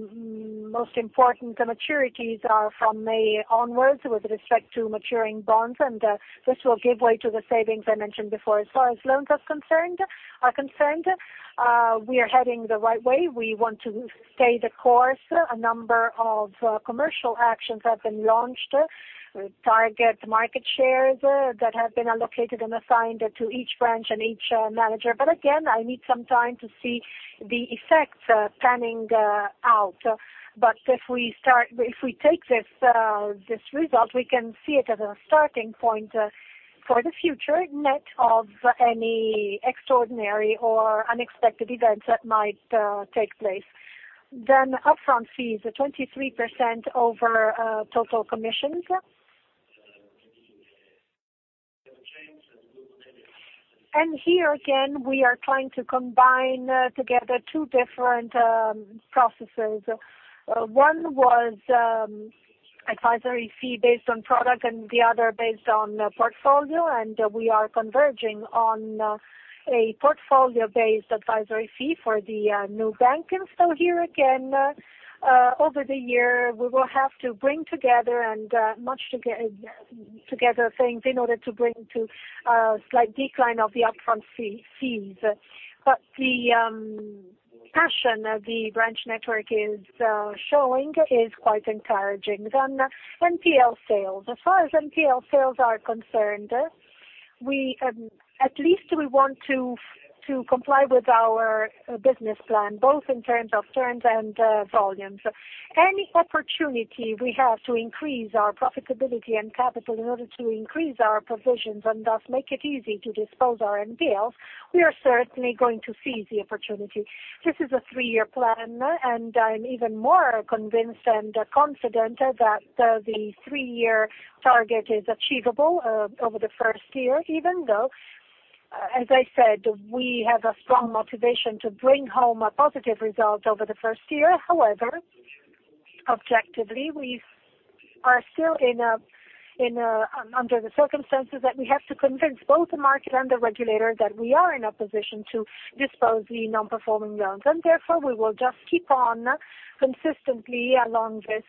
most important maturities are from May onwards with respect to maturing bonds, and this will give way to the savings I mentioned before. As far as loans are concerned, we are heading the right way. We want to stay the course. A number of commercial actions have been launched, target market shares that have been allocated and assigned to each branch and each manager. Again, I need some time to see the effects panning out. If we take this result, we can see it as a starting point for the future, net of any extraordinary or unexpected events that might take place. Upfront fees are 23% over total commissions. Here again, we are trying to combine together two different processes. One. Advisory fee based on product and the other based on portfolio, we are converging on a portfolio-based advisory fee for the new banking. Here again, over the year, we will have to bring together things in order to bring to a slight decline of the upfront fees. The passion the branch network is showing is quite encouraging. NPL sales. As far as NPL sales are concerned, at least we want to comply with our business plan, both in terms of turns and volumes. Any opportunity we have to increase our profitability and capital in order to increase our provisions and thus make it easy to dispose our NPLs, we are certainly going to seize the opportunity. This is a three-year plan, I'm even more convinced and confident that the three-year target is achievable over the first year, even though, as I said, we have a strong motivation to bring home a positive result over the first year. However, objectively, we are still under the circumstances that we have to convince both the market and the regulator that we are in a position to dispose the Non-Performing Loans. Therefore, we will just keep on consistently along this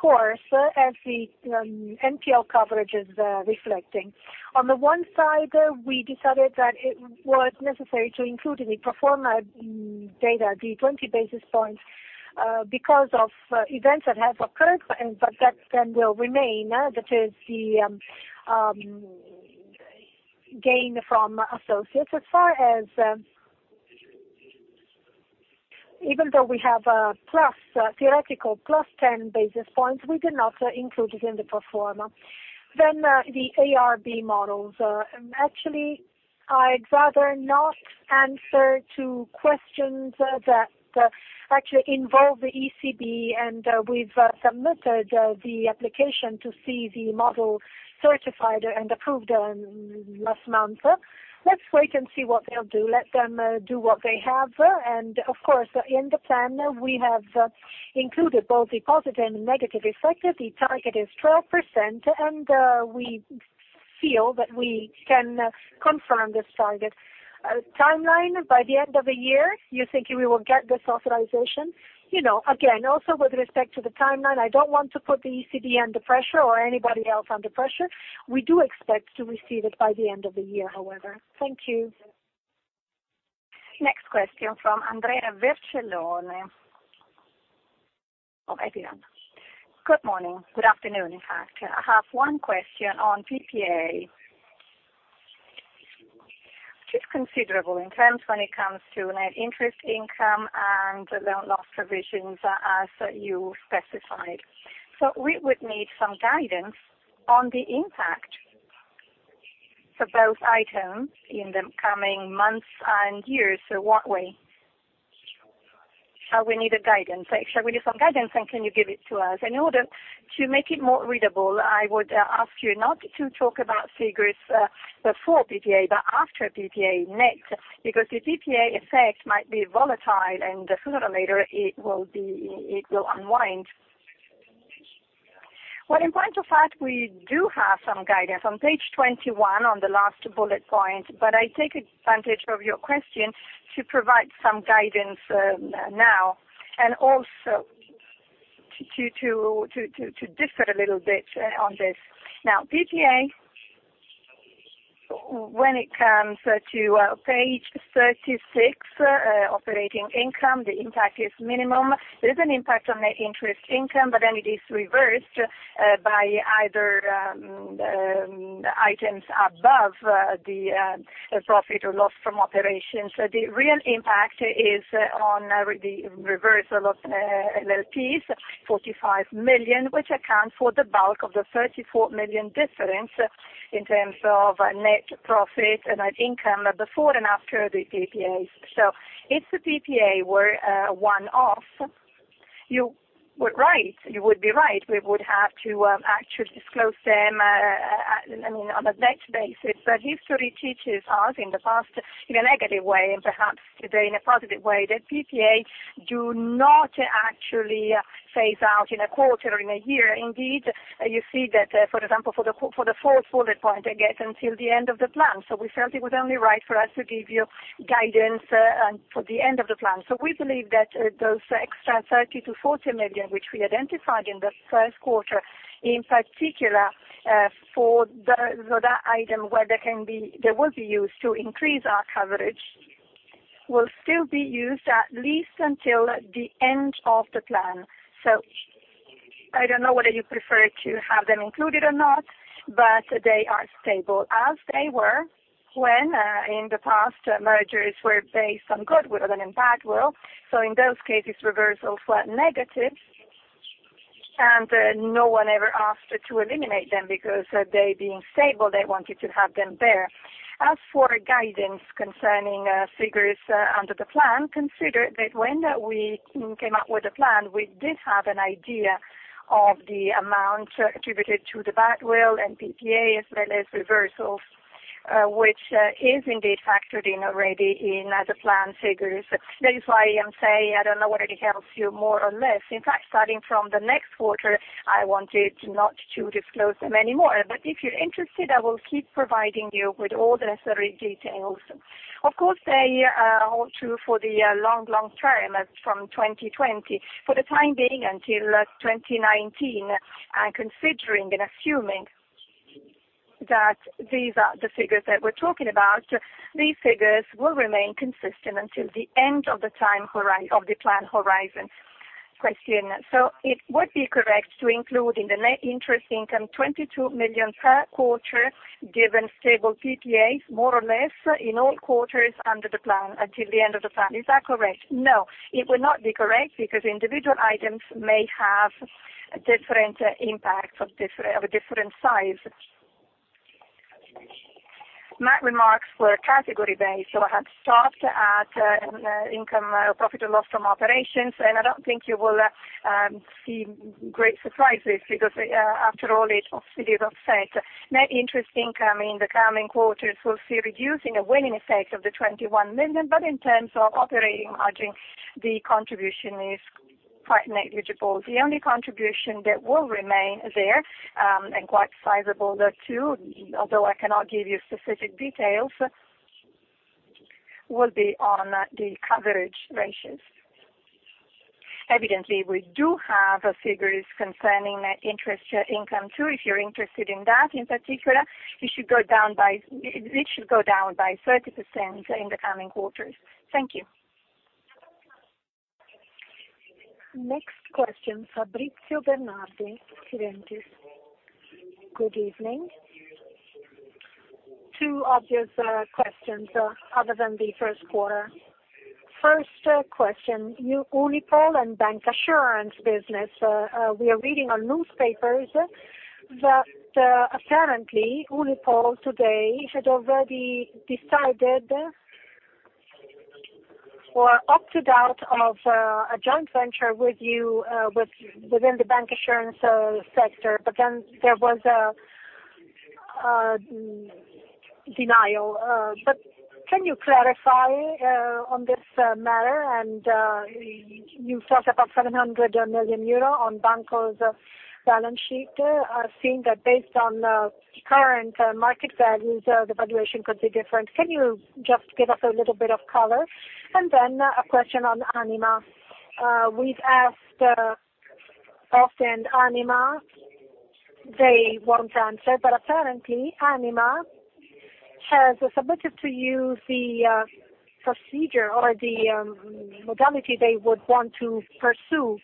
course as the NPL coverage is reflecting. On the one side, we decided that it was necessary to include in the pro forma data the 20 basis points because of events that have occurred, but that then will remain. That is the gain from associates. As far as, even though we have a theoretical plus 10 basis points, we did not include it in the pro forma. The ARB models. Actually, I'd rather not answer to questions that actually involve the ECB, we've submitted the application to see the model certified and approved last month. Let's wait and see what they'll do. Let them do what they have. Of course, in the plan, we have included both the positive and negative effect. The target is 12%, we feel that we can confirm this target. Timeline, by the end of the year, you think we will get this authorization. Again, also with respect to the timeline, I don't want to put the ECB under pressure or anybody else under pressure. We do expect to receive it by the end of the year, however. Thank you. Next question from Andrea Vercellone of Exane. Good morning. Good afternoon, in fact. I have one question on PPA, which is considerable in terms when it comes to net interest income and Loan Loss Provisions as you specified. We would need some guidance on the impact for both items in the coming months and years. What way? We need a guidance. Shall we need some guidance, and can you give it to us? In order to make it more readable, I would ask you not to talk about figures before PPA, but after PPA net, because the PPA effect might be volatile and sooner or later it will unwind. In point of fact, we do have some guidance on page 21 on the last bullet point, but I take advantage of your question to provide some guidance now and also to differ a little bit on this. PPA, when it comes to page 36, operating income, the impact is minimum. There is an impact on net interest income, but then it is reversed by either items above the profit or loss from operations. The real impact is on the reversal of LLPs, 45 million, which accounts for the bulk of the 34 million difference in terms of net profit and net income before and after the PPAs. If the PPA were a one-off, you would be right. We would have to actually disclose them on a net basis. History teaches us in the past in a negative way, and perhaps today in a positive way, that PPAs do not actually phase out in a quarter or in a year. Indeed, you see that, for example, for the fourth bullet point, it gets until the end of the plan. We felt it was only right for us to give you guidance for the end of the plan. We believe that those extra 30 million-40 million, which we identified in the first quarter, in particular, for that item, where they will be used to increase our coverage, will still be used at least until the end of the plan. I don't know whether you prefer to have them included or not, they are stable as they were when in the past mergers were based on goodwill and then bad will. In those cases, reversals were negative, and no one ever asked to eliminate them because they being stable, they wanted to have them there. As for guidance concerning figures under the plan, consider that when we came up with the plan, we did have an idea of the amount attributed to the bad will and PPAs, less reversals. Which is indeed factored in already in the plan figures. That is why I'm saying, I don't know whether it helps you more or less. In fact, starting from the next quarter, I wanted not to disclose them anymore. If you're interested, I will keep providing you with all the necessary details. Of course, they hold true for the long, long term as from 2020. For the time being, until 2019, and considering and assuming that these are the figures that we're talking about, these figures will remain consistent until the end of the plan horizon. Question. So it would be correct to include in the net interest income 22 million per quarter, given stable PPAs, more or less in all quarters under the plan until the end of the plan. Is that correct? No, it would not be correct because individual items may have different impacts of a different size. My remarks were category-based, so I had stopped at income profit or loss from operations, and I don't think you will see great surprises because, after all, it did offset net interest income in the coming quarters. We'll see a reducing and winning effect of the 21 million, but in terms of operating margins, the contribution is quite negligible. The only contribution that will remain there, and quite sizable there too, although I cannot give you specific details, will be on the coverage ratios. Evidently, we do have figures concerning net interest income, too. If you're interested in that in particular, it should go down by 30% in the coming quarters. Thank you. Next question, Fabrizio Bernardi, Tirrenese. Good evening. Two obvious questions other than the first quarter. First question, Unipol and Bankassurance business. We are reading on newspapers that apparently Unipol today had already decided or opted out of a joint venture with you within the Bankassurance sector. Then there was a denial. Can you clarify on this matter? You talked about 700 million euro on Banco's balance sheet. I've seen that based on current market values, the valuation could be different. Can you just give us a little bit of color? A question on Anima. We've asked often Anima, they won't answer, but apparently Anima has submitted to you the procedure or the modality they would want to pursue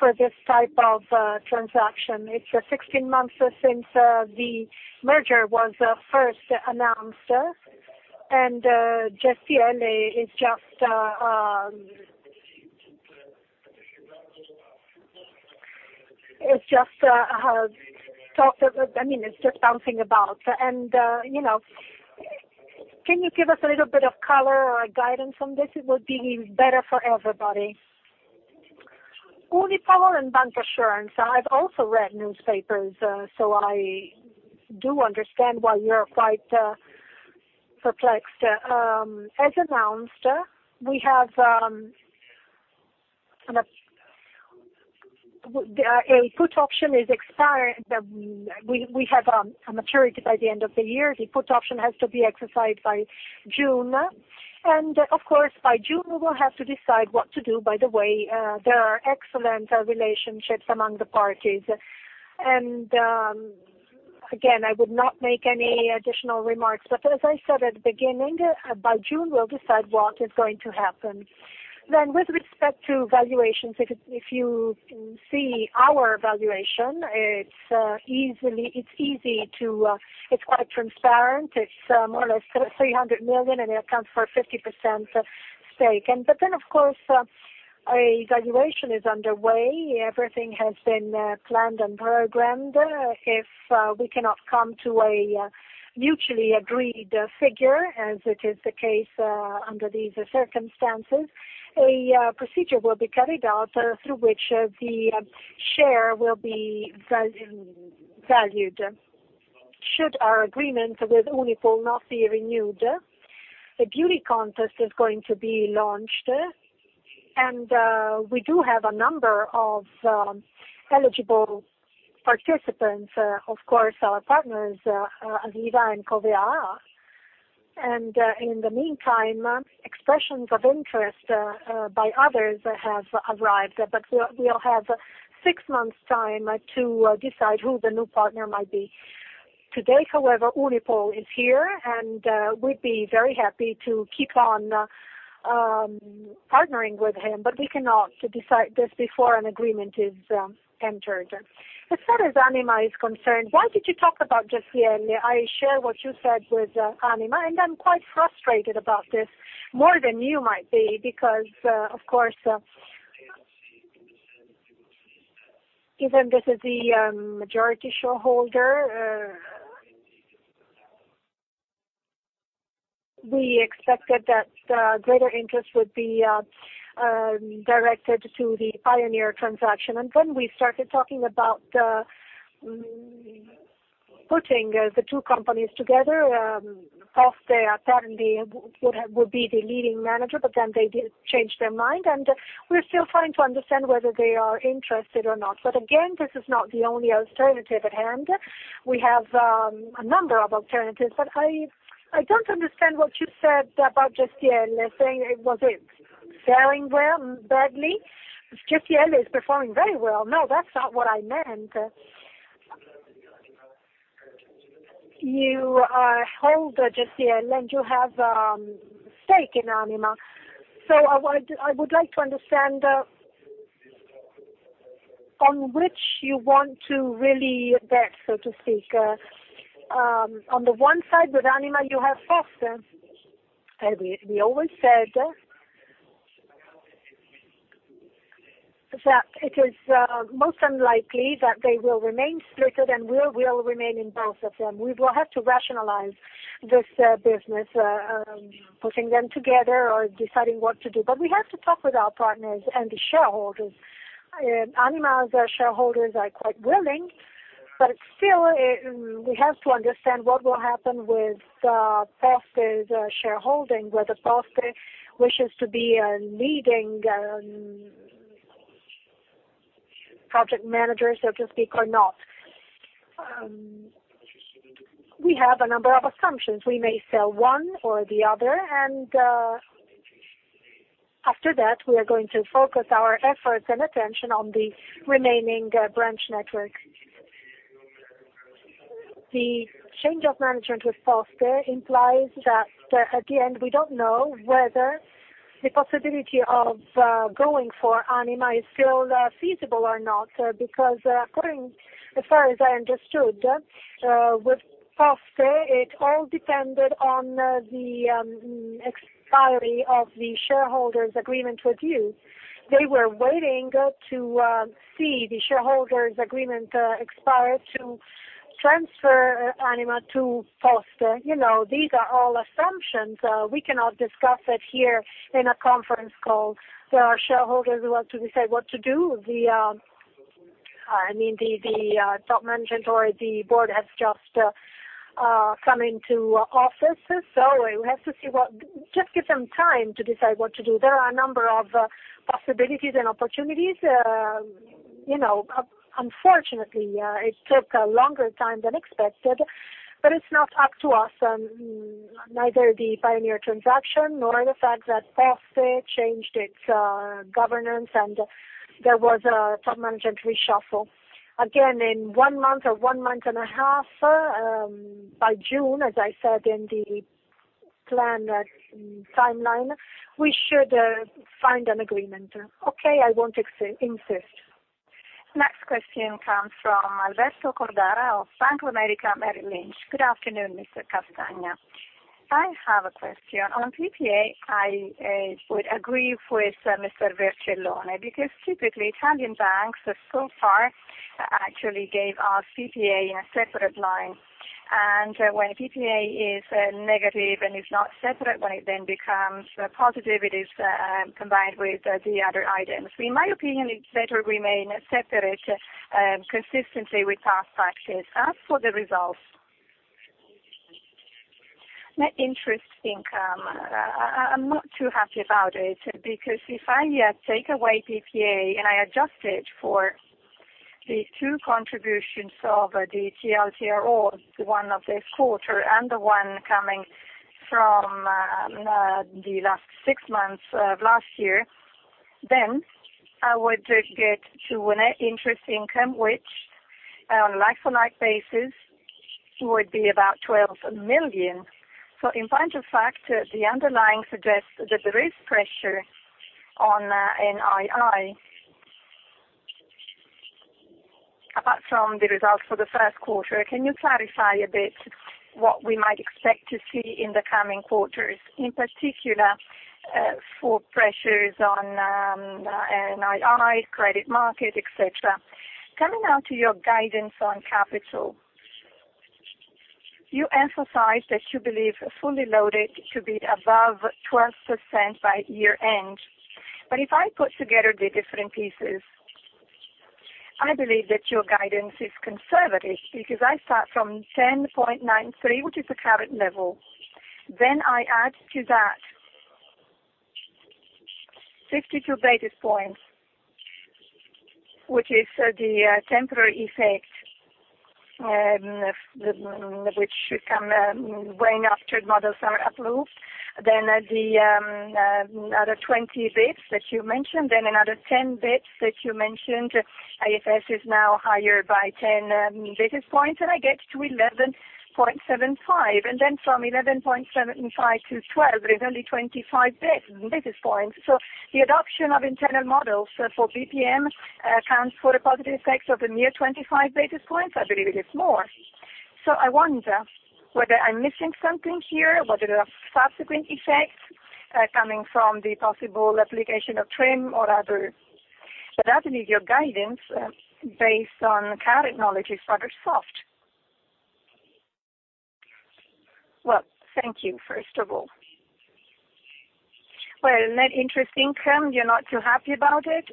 for this type of transaction. It's 16 months since the merger was first announced, and Gestielle is just bouncing about. Can you give us a little bit of color or guidance on this? It would be better for everybody. Unipol and Bankassurance. I've also read newspapers, I do understand why you're quite perplexed. As announced, a put option is expired. We have a maturity by the end of the year. The put option has to be exercised by June, of course, by June, we will have to decide what to do. There are excellent relationships among the parties. Again, I would not make any additional remarks, as I said at the beginning, by June, we'll decide what is going to happen. With respect to valuations, if you see our valuation, it's more or less EUR 300 million, and it accounts for a 50% stake. Of course, a valuation is underway. Everything has been planned and programmed. If we cannot come to a mutually agreed figure, as it is the case under these circumstances, a procedure will be carried out through which the share will be valued. Should our agreement with Unipol not be renewed, a beauty contest is going to be launched, and we do have a number of eligible participants. Of course, our partners, Aviva and Covéa. In the meantime, expressions of interest by others have arrived, we'll have six months' time to decide who the new partner might be. Today, however, Unipol is here, we'd be very happy to keep on partnering with him, we cannot decide this before an agreement is entered. As far as Anima is concerned, why did you talk about Gestielle? I share what you said with Anima, I'm quite frustrated about this, more than you might be, of course, given this is the majority shareholder We expected that greater interest would be directed to the Pioneer transaction. When we started talking about putting the two companies together, Poste apparently would be the leading manager, they did change their mind, and we're still trying to understand whether they are interested or not. Again, this is not the only alternative at hand. We have a number of alternatives, I don't understand what you said about Gestielle. Saying, was it selling well, badly? Gestielle is performing very well. That's not what I meant. You are a holder, Gestielle, and you have a stake in Anima. I would like to understand on which you want to really bet, so to speak. On the one side, with Anima, you have Poste. We always said that it is most unlikely that they will remain splitted, and we will remain in both of them. We will have to rationalize this business, putting them together or deciding what to do. We have to talk with our partners and the shareholders. Anima's shareholders are quite willing, still, we have to understand what will happen with Poste's shareholding, whether Poste wishes to be a leading project manager, so to speak, or not. We have a number of assumptions. We may sell one or the other, and after that, we are going to focus our efforts and attention on the remaining branch network. The change of management with Poste implies that at the end, we don't know whether the possibility of going for Anima is still feasible or not, because according as far as I understood, with Poste, it all depended on the expiry of the shareholders' agreement with you. They were waiting to see the shareholders' agreement expire to transfer Anima to Poste. These are all assumptions. We cannot discuss it here in a conference call. There are shareholders who have to decide what to do. The top management or the board has just come into office. We have to just give them time to decide what to do. There are a number of possibilities and opportunities. It took a longer time than expected, but it's not up to us, neither the Pioneer transaction, nor the fact that Poste changed its governance and there was a top management reshuffle. Again, in one month or one month and a half, by June, as I said in the planned timeline, we should find an agreement. Okay, I won't insist. Next question comes from Alberto Cordara of Bank of America Merrill Lynch. Good afternoon, Mr. Castagna. I have a question. On PPA, I would agree with Mr. Vercellone, because typically, Italian banks so far actually gave out PPA in a separate line. When PPA is negative and is not separate, when it then becomes positive, it is combined with the other items. In my opinion, it better remain separate consistently with past practice. As for the results. Net interest income. I'm not too happy about it because if I take away PPA, I adjust it for the two contributions of the TLTRO, one of this quarter and the one coming from the last six months of last year, I would get to a net interest income, which on a like-for-like basis would be about 12 million. In point of fact, the underlying suggests that there is pressure on NII. Apart from the results for the first quarter, can you clarify a bit what we might expect to see in the coming quarters, in particular for pressures on NII, credit market, et cetera? Coming now to your guidance on capital. You emphasized that you believe fully loaded to be above 12% by year-end. But if I put together the different pieces, I believe that your guidance is conservative because I start from 10.93, which is the current level. Then I add to that 52 basis points, which is the temporary effect, which should come when after models are approved. Then the other 20 basis points that you mentioned, then another 10 basis points that you mentioned. IFRS is now higher by 10 basis points, and I get to 11.75. Then from 11.75 to 12, there is only 25 basis points. The adoption of internal models for BPM accounts for a positive effect of a mere 25 basis points. I believe it is more. I wonder whether I'm missing something here, whether there are subsequent effects coming from the possible application of TRIM or other But I believe your guidance, based on current knowledge, is rather soft. Thank you first of all. Net interest income, you're not too happy about it.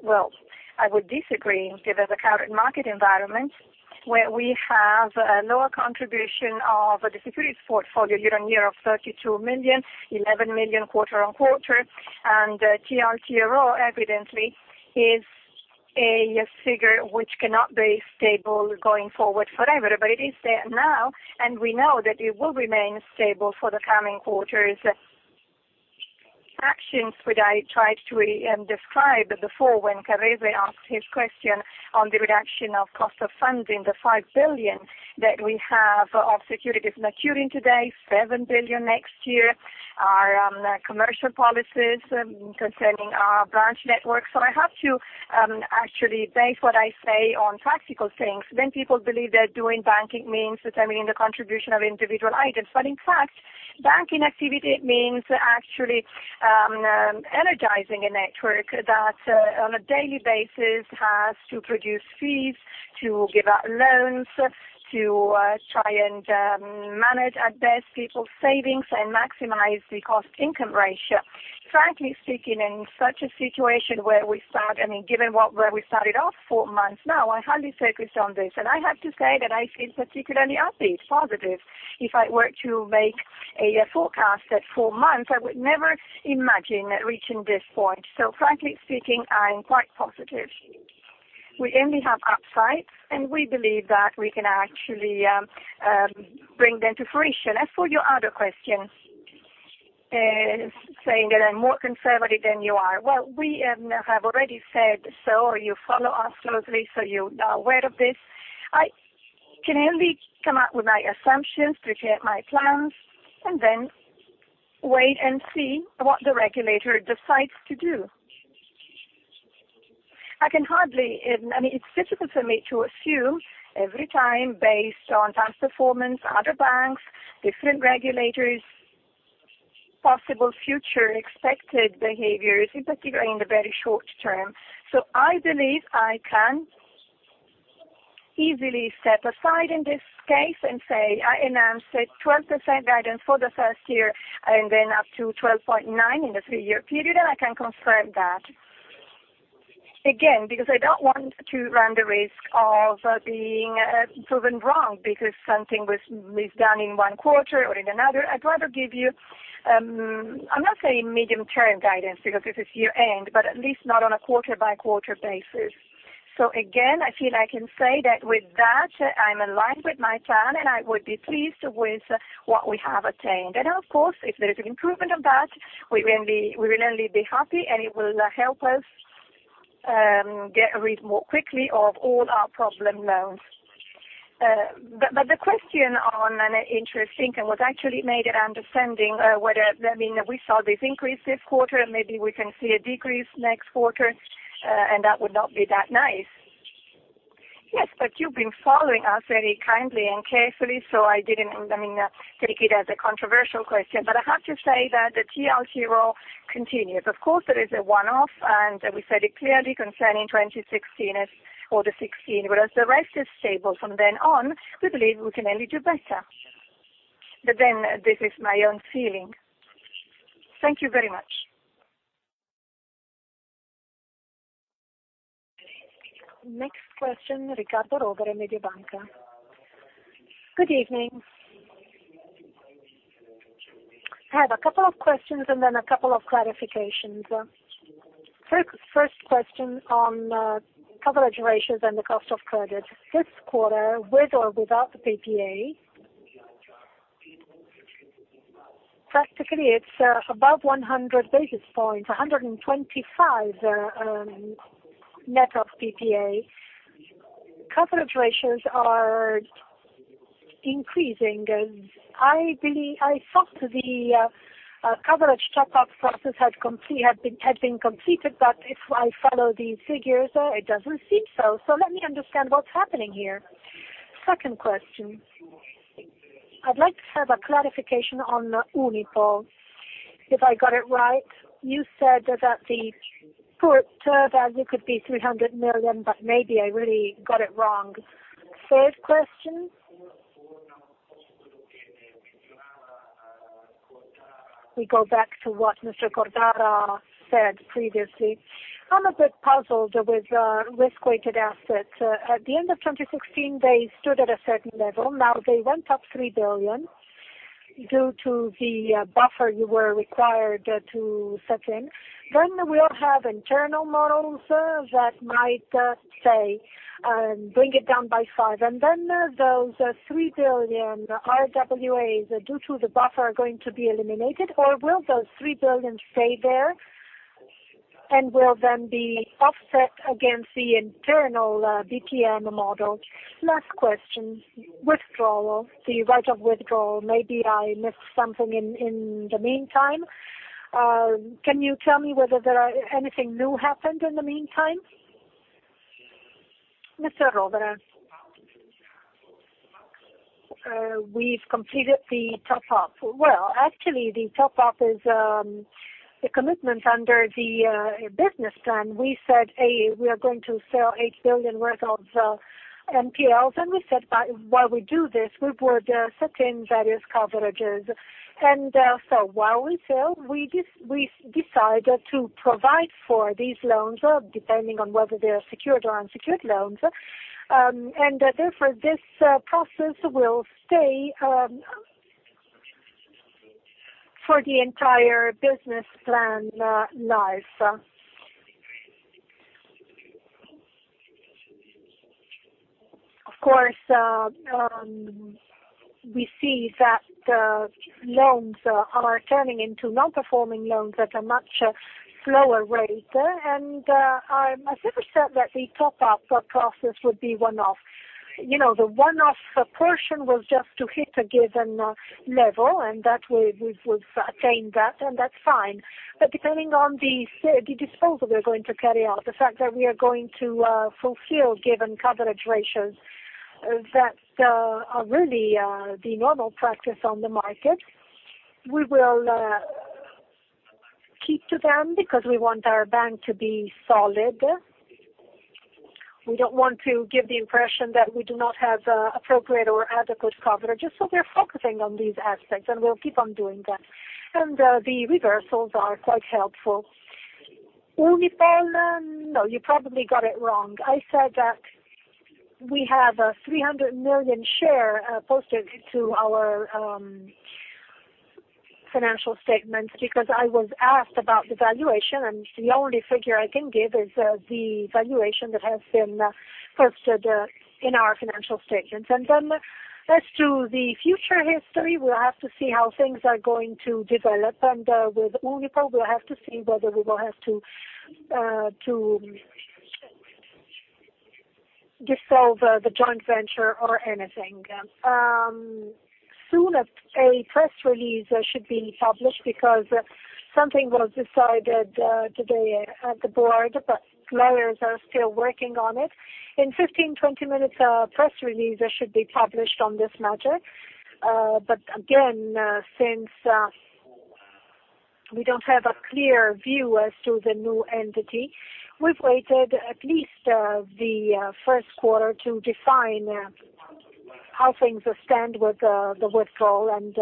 I would disagree given the current market environment, where we have a lower contribution of the securities portfolio year-on-year of 32 million, 11 million quarter-on-quarter, and TLTRO evidently is a figure which cannot be stable going forward forever. But it is there now, and we know that it will remain stable for the coming quarters. Actions which I tried to describe before when asked his question on the reduction of cost of funding, the 5 billion that we have of securities maturing today, 7 billion next year, our commercial policies concerning our branch network. I have to actually base what I say on practical things. Many people believe that doing banking means determining the contribution of individual items. In fact, banking activity means actually energizing a network that on a daily basis has to produce fees, to give out loans, to try and manage at best people's savings and maximize the cost-income ratio. Frankly speaking, in such a situation, given where we started off four months now, I highly focused on this, and I have to say that I feel particularly upbeat, positive. If I were to make a forecast at four months, I would never imagine reaching this point. Frankly speaking, I am quite positive. We only have upsides, and we believe that we can actually bring them to fruition. As for your other question, saying that I'm more conservative than you are. We have already said so. You follow us closely, so you are aware of this. I can only come up with my assumptions, prepare my plans, and then wait and see what the regulator decides to do. It's difficult for me to assume every time based on past performance, other banks, different regulators, possible future expected behaviors, in particular in the very short term. I believe I can easily set aside in this case and say, I announced a 12% guidance for the first year and then up to 12.9% in the three-year period, and I can confirm that. Because I don't want to run the risk of being proven wrong because something was misdone in one quarter or in another. I'd rather give you, I'm not saying medium-term guidance, because this is year-end, but at least not on a quarter-by-quarter basis. Again, I feel I can say that with that, I'm in line with my plan, and I would be pleased with what we have attained. Of course, if there is an improvement on that, we will only be happy, and it will help us get rid more quickly of all our problem loans. The question on interest income was actually made at understanding whether, we saw this increase this quarter, maybe we can see a decrease next quarter, and that would not be that nice. Yes, you've been following us very kindly and carefully, so I didn't take it as a controversial question. I have to say that the TLTRO continues. Of course, there is a one-off, and we said it clearly concerning 2016, as for the 2016. The rest is stable from then on, we believe we can only do better. This is my own feeling. Thank you very much. Next question, Riccardo Rovere, Mediobanca. Good evening. I have a couple of questions and then a couple of clarifications. First question on coverage ratios and the cost of credit. This quarter, with or without the PPA, practically it's above 100 basis points, 125 net of PPA. Coverage ratios are increasing. I thought the coverage top-up process had been completed, but if I follow these figures, it doesn't seem so. Let me understand what's happening here. Second question. I'd like to have a clarification on Unipol. If I got it right, you said that the book value could be 300 million, but maybe I really got it wrong. Third question. We go back to what Mr. Cordara said previously. I'm a bit puzzled with risk-weighted assets. At the end of 2016, they stood at a certain level. Now they went up 3 billion due to the buffer you were required to set in. We all have internal models that might say, bring it down by 5, and then those 3 billion RWAs due to the buffer are going to be eliminated, or will those 3 billion stay there and will then be offset against the internal BPM model? Last question. Withdrawal, the right of withdrawal. Maybe I missed something in the meantime. Can you tell me whether anything new happened in the meantime? Mr. Rovere We've completed the top off. Well, actually, the top off is the commitment under the business plan. We said we are going to sell 8 billion worth of NPLs, and we said while we do this, we would set in various coverages. While we sell, we decided to provide for these loans, depending on whether they are secured or unsecured loans. Therefore, this process will stay for the entire business plan life. Of course, we see that loans are turning into non-performing loans at a much slower rate. I never said that the top-up process would be one-off. The one-off portion was just to hit a given level, and we've attained that, and that's fine. Depending on the disposal we are going to carry out, the fact that we are going to fulfill given coverage ratios that are really the normal practice on the market, we will keep to them because we want our bank to be solid. We don't want to give the impression that we do not have appropriate or adequate coverage, we're focusing on these aspects, and we'll keep on doing that. The reversals are quite helpful. Unipol? No, you probably got it wrong. I said that we have a 300 million share posted to our financial statements because I was asked about the valuation, and the only figure I can give is the valuation that has been posted in our financial statements. Then as to the future history, we'll have to see how things are going to develop. With Unipol, we'll have to see whether we will have to dissolve the joint venture or anything. Soon, a press release should be published because something was decided today at the board, lawyers are still working on it. In 15, 20 minutes, a press release should be published on this matter. Again, since we don't have a clear view as to the new entity, we've waited at least the first quarter to define how things stand with the withdrawal, and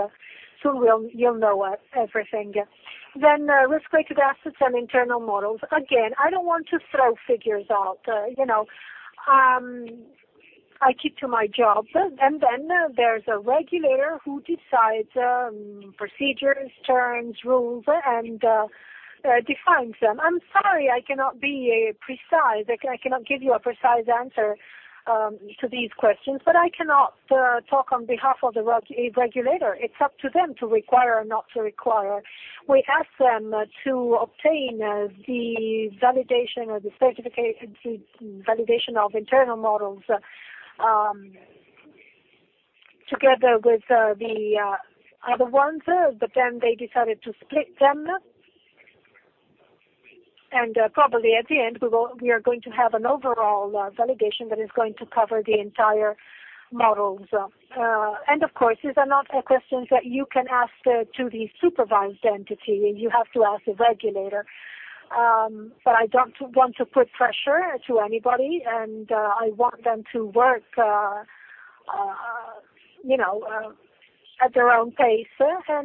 soon you'll know everything. Risk-weighted assets and internal models. Again, I don't want to throw figures out. I keep to my job, then there's a regulator who decides procedures, terms, rules, and defines them. I'm sorry, I cannot be precise. I cannot give you a precise answer to these questions, but I cannot talk on behalf of the regulator. It's up to them to require or not to require. We ask them to obtain the validation of internal models together with the other ones, then they decided to split them. Probably at the end, we are going to have an overall validation that is going to cover the entire models. Of course, these are not questions that you can ask to the supervised entity, and you have to ask the regulator. I don't want to put pressure to anybody, I want them to work at their own pace. I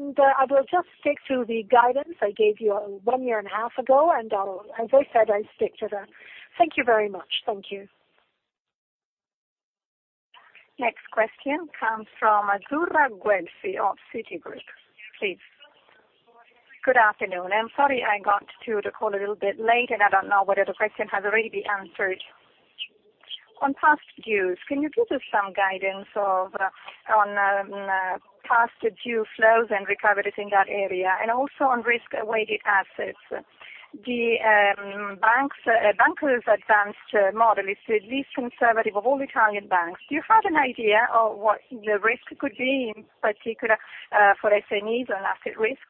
will just stick to the guidance I gave you one year and a half ago, and as I said, I stick to that. Thank you very much. Thank you. Next question comes from Azzurra Guelfi of Citigroup. Please. Good afternoon. I'm sorry I got to the call a little bit late, I don't know whether the question has already been answered. On past dues, can you give us some guidance on past due flows and recoveries in that area, also on risk-weighted assets? The bank's advanced model is the least conservative of all Italian banks. Do you have an idea of what the risk could be, in particular for SMEs on asset risk?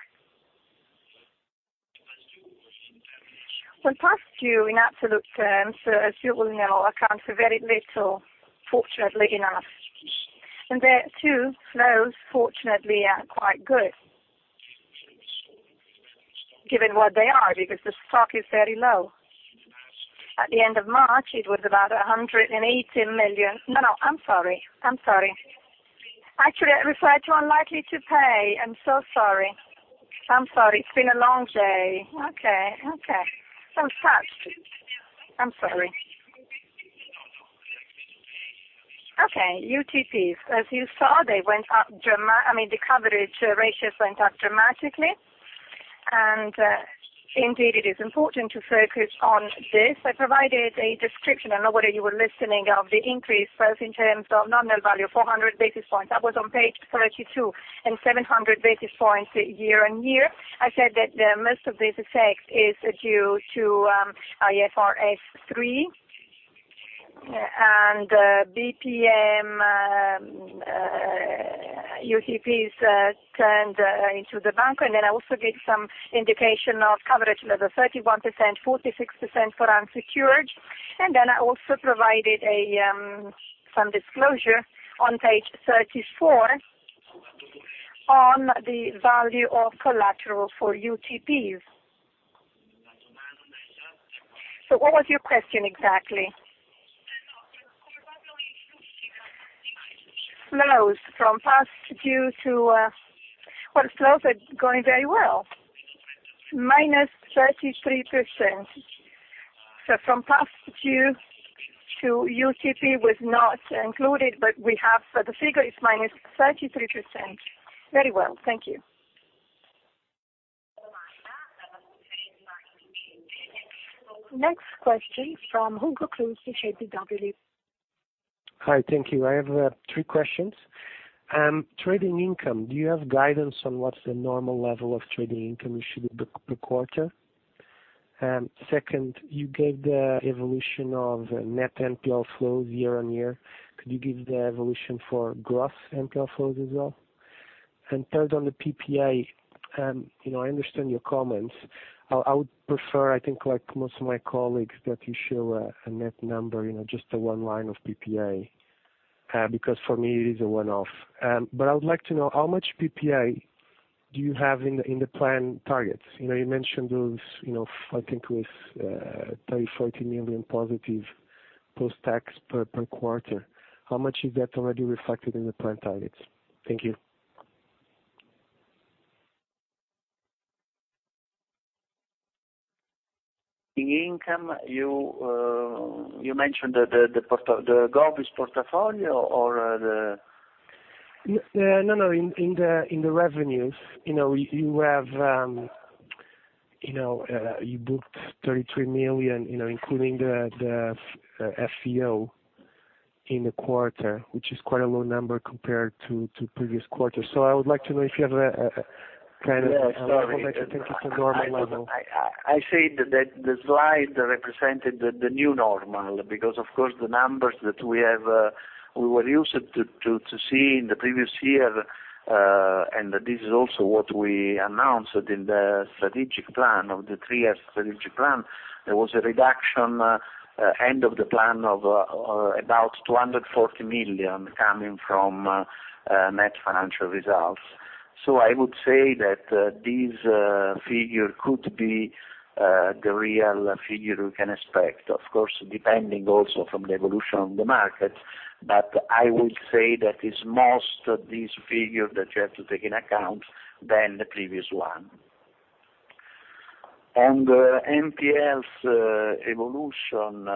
Well, past due in absolute terms, as you well know, accounts for very little, fortunately enough. There, too, flows fortunately are quite good, given what they are, because the stock is very low. At the end of March, it was about 180 million. No, I am sorry. Actually, I referred to Unlikely to Pay. I am so sorry. It has been a long day. Okay. I am flushed. I am sorry. Okay, UTPs. As you saw, the coverage ratios went up dramatically, indeed, it is important to focus on this. I provided a description, I do not know whether you were listening, of the increase, both in terms of nominal value, 400 basis points. That was on page 32, and 700 basis points year-on-year. I said that most of this effect is due to IFRS 3 and BPM UTPs turned into the Banco. Then I also gave some indication of coverage level, 31%, 46% for unsecured. Then I also provided some disclosure on page 34 on the value of collateral for UTPs. What was your question exactly? Flows from past due to Well, flows are going very well. -33%. From past due to UTP was not included, but the figure is -33%. Very well. Thank you. Next question from Hugo Cruz, KBW. Hi. Thank you. I have three questions. Trading income, do you have guidance on what is the normal level of trading income you should book per quarter? Second, you gave the evolution of net NPL flows year-on-year. Could you give the evolution for gross NPL flows as well? Third, on the PPA, I understand your comments. I would prefer, I think like most of my colleagues, that you show a net number, just the one line of PPA, because for me it is a one-off. I would like to know how much PPA do you have in the plan targets? You mentioned those, I think it was 30 million-40 million positive post-tax per quarter. How much is that already reflected in the plan targets? Thank you. In income, you mentioned the GOB is portfolio. No. In the revenues, you booked 33 million, including the FVO in the quarter, which is quite a low number compared to previous quarters. Yeah, sorry. Kind of what makes you think it's a normal level? I said that the slide represented the new normal because, of course, the numbers that we were used to seeing the previous year, and this is also what we announced in the strategic plan, of the three-year strategic plan, there was a reduction end of the plan of about 240 million coming from net financial results. I would say that this figure could be the real figure we can expect. Of course, depending also from the evolution of the market. I would say that it's most this figure that you have to take into account than the previous one. NPLs evolution,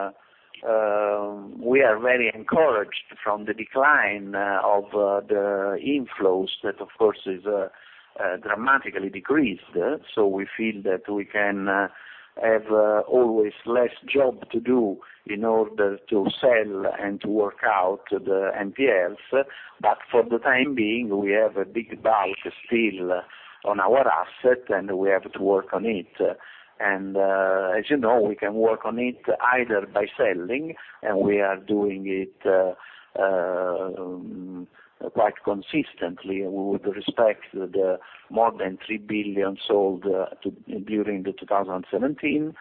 we are very encouraged from the decline of the inflows that, of course, is dramatically decreased. We feel that we can have always less job to do in order to sell and to work out the NPLs. For the time being, we have a big bulk still on our asset, and we have to work on it. As you know, we can work on it either by selling, and we are doing it quite consistently with respect to the more than 3 billion sold during 2017.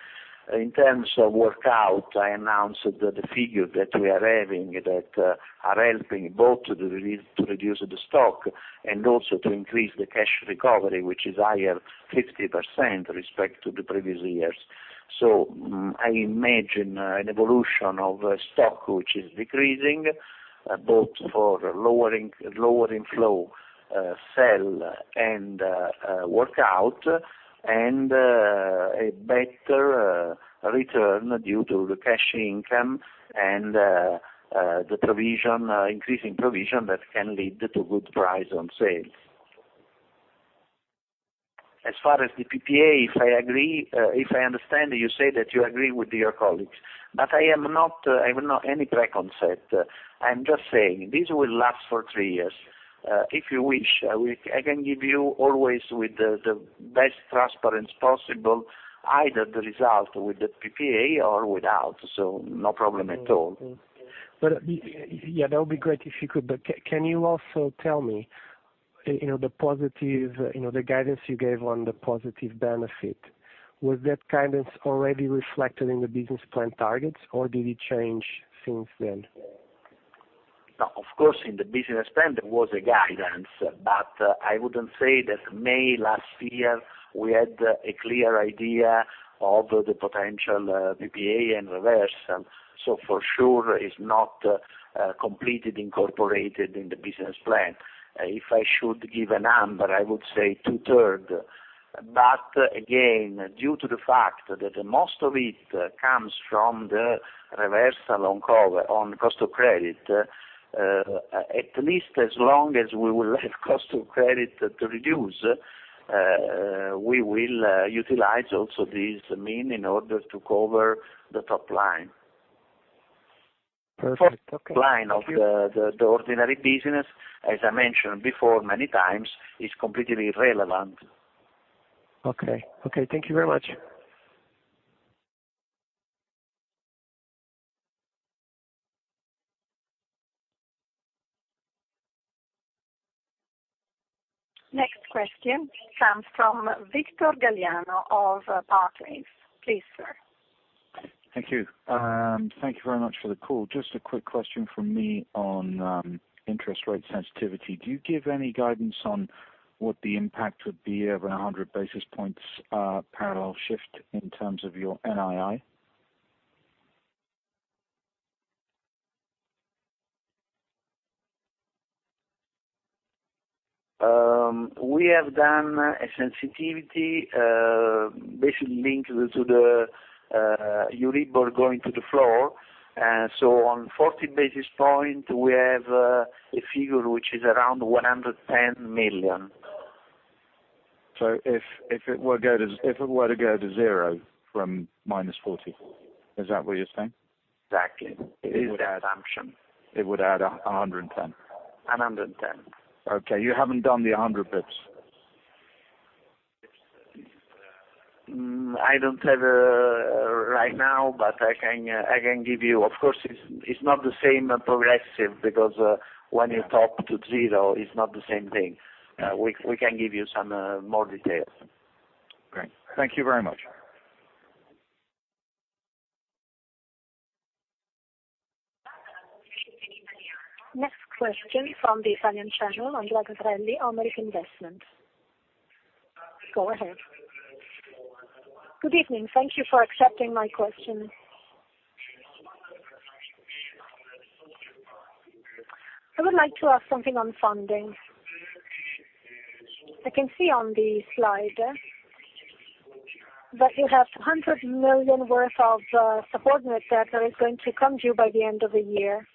In terms of work out, I announced the figure that we are having that are helping both to reduce the stock and also to increase the cash recovery, which is higher 50% respect to the previous years. I imagine an evolution of stock, which is decreasing both for lower inflow sell and work out, and a better return due to the cash income and the increasing provision that can lead to good price on sales. As far as the PPA, if I understand, you say that you agree with your colleagues, I have not any preconcept. I'm just saying, this will last for three years. If you wish, I can give you always with the best transparency possible, either the result with the PPA or without, no problem at all. Yeah, that would be great if you could, but can you also tell me the guidance you gave on the positive benefit, was that guidance already reflected in the business plan targets, or did it change since then? No. Of course, in the business plan, there was a guidance, but I wouldn't say that May last year, we had a clear idea of the potential PPA and reversal. For sure is not completely incorporated in the business plan. If I should give a number, I would say two-third. Again, due to the fact that most of it comes from the reversal on cost of credit, at least as long as we will have cost of credit to reduce, we will utilize also this mean in order to cover the top line. Perfect. Okay. Thank you. Top line of the ordinary business, as I mentioned before many times, is completely irrelevant. Okay. Thank you very much. Next question comes from Victor Galliano of Barclays. Please, sir. Thank you. Thank you very much for the call. Just a quick question from me on interest rate sensitivity. Do you give any guidance on what the impact would be of 100 basis points parallel shift in terms of your NII? We have done a sensitivity basically linked to the Euribor going to the floor. On 40 basis point, we have a figure which is around 110 million. If it were to go to zero from -40, is that what you're saying? Exactly. It is the assumption. It would add 110. 110. Okay. You haven't done the 100 basis points? I don't have right now, but I can give you. Of course, it's not the same progressive because when you top to zero, it's not the same thing. We can give you some more details. Great. Thank you very much. Next question from the Italian channel, Andrea Grigelli, Amber Capital Investment. Go ahead. Good evening. Thank you for accepting my question. I would like to ask something on funding. I can see on the slide that you have 100 million worth of subordinate debt that is going to come due by the end of the year.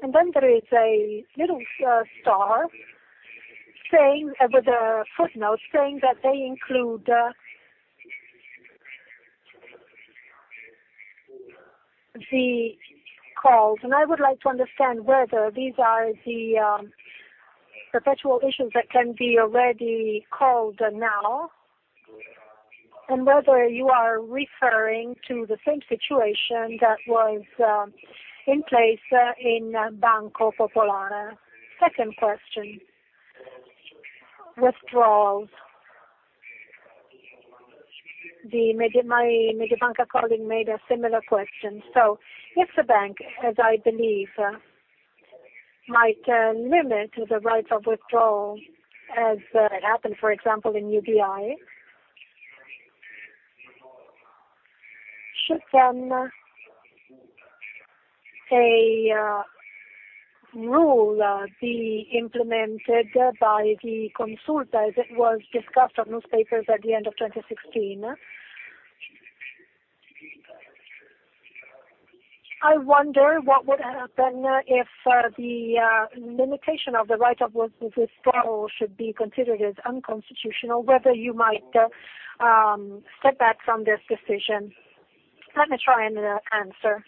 There is a little star with a footnote saying that they include the calls, I would like to understand whether these are the perpetual issues that can be already called now, and whether you are referring to the same situation that was in place in Banco Popolare. Second question, withdrawals. My Mediobanca colleague made a similar question. If the bank, as I believe, might limit the right of withdrawal, as it happened, for example, in UBI, should then a rule be implemented by the Consulta as it was discussed on newspapers at the end of 2016? I wonder what would happen if the limitation of the right of withdrawal should be considered as unconstitutional, whether you might step back from this decision. Let me try and answer.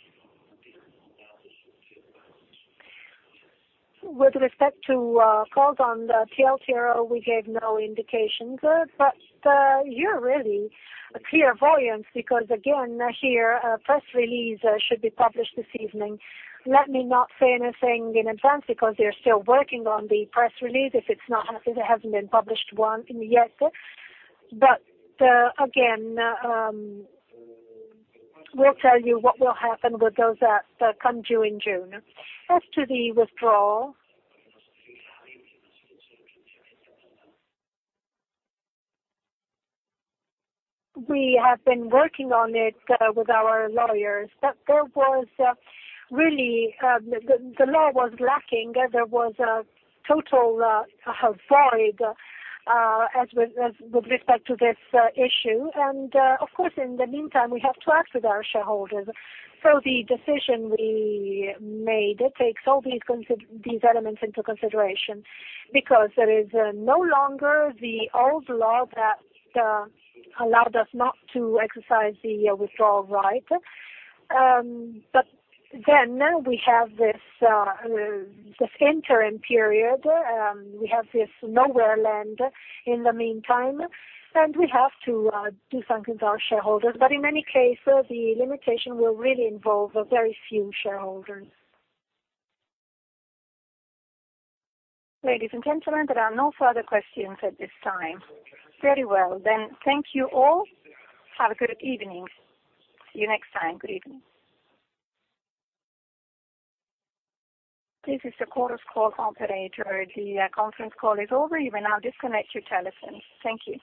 With respect to calls on the TLTRO, we gave no indications. You're really a clairvoyant because, again, here, a press release should be published this evening. Let me not say anything in advance because they're still working on the press release. If it's not happened, it hasn't been published one yet. Again, we'll tell you what will happen with those that come due in June. As to the withdrawal, we have been working on it with our lawyers. The law was lacking. There was a total void with respect to this issue. Of course, in the meantime, we have to act with our shareholders. The decision we made, it takes all these elements into consideration because there is no longer the old law that allowed us not to exercise the withdrawal right. We have this interim period, we have this nowhere land in the meantime, and we have to do something with our shareholders. In any case, the limitation will really involve a very few shareholders. Ladies and gentlemen, there are no further questions at this time. Very well. Thank you all. Have a good evening. See you next time. Good evening. This is the conference call operator. The conference call is over. You may now disconnect your telephones. Thank you.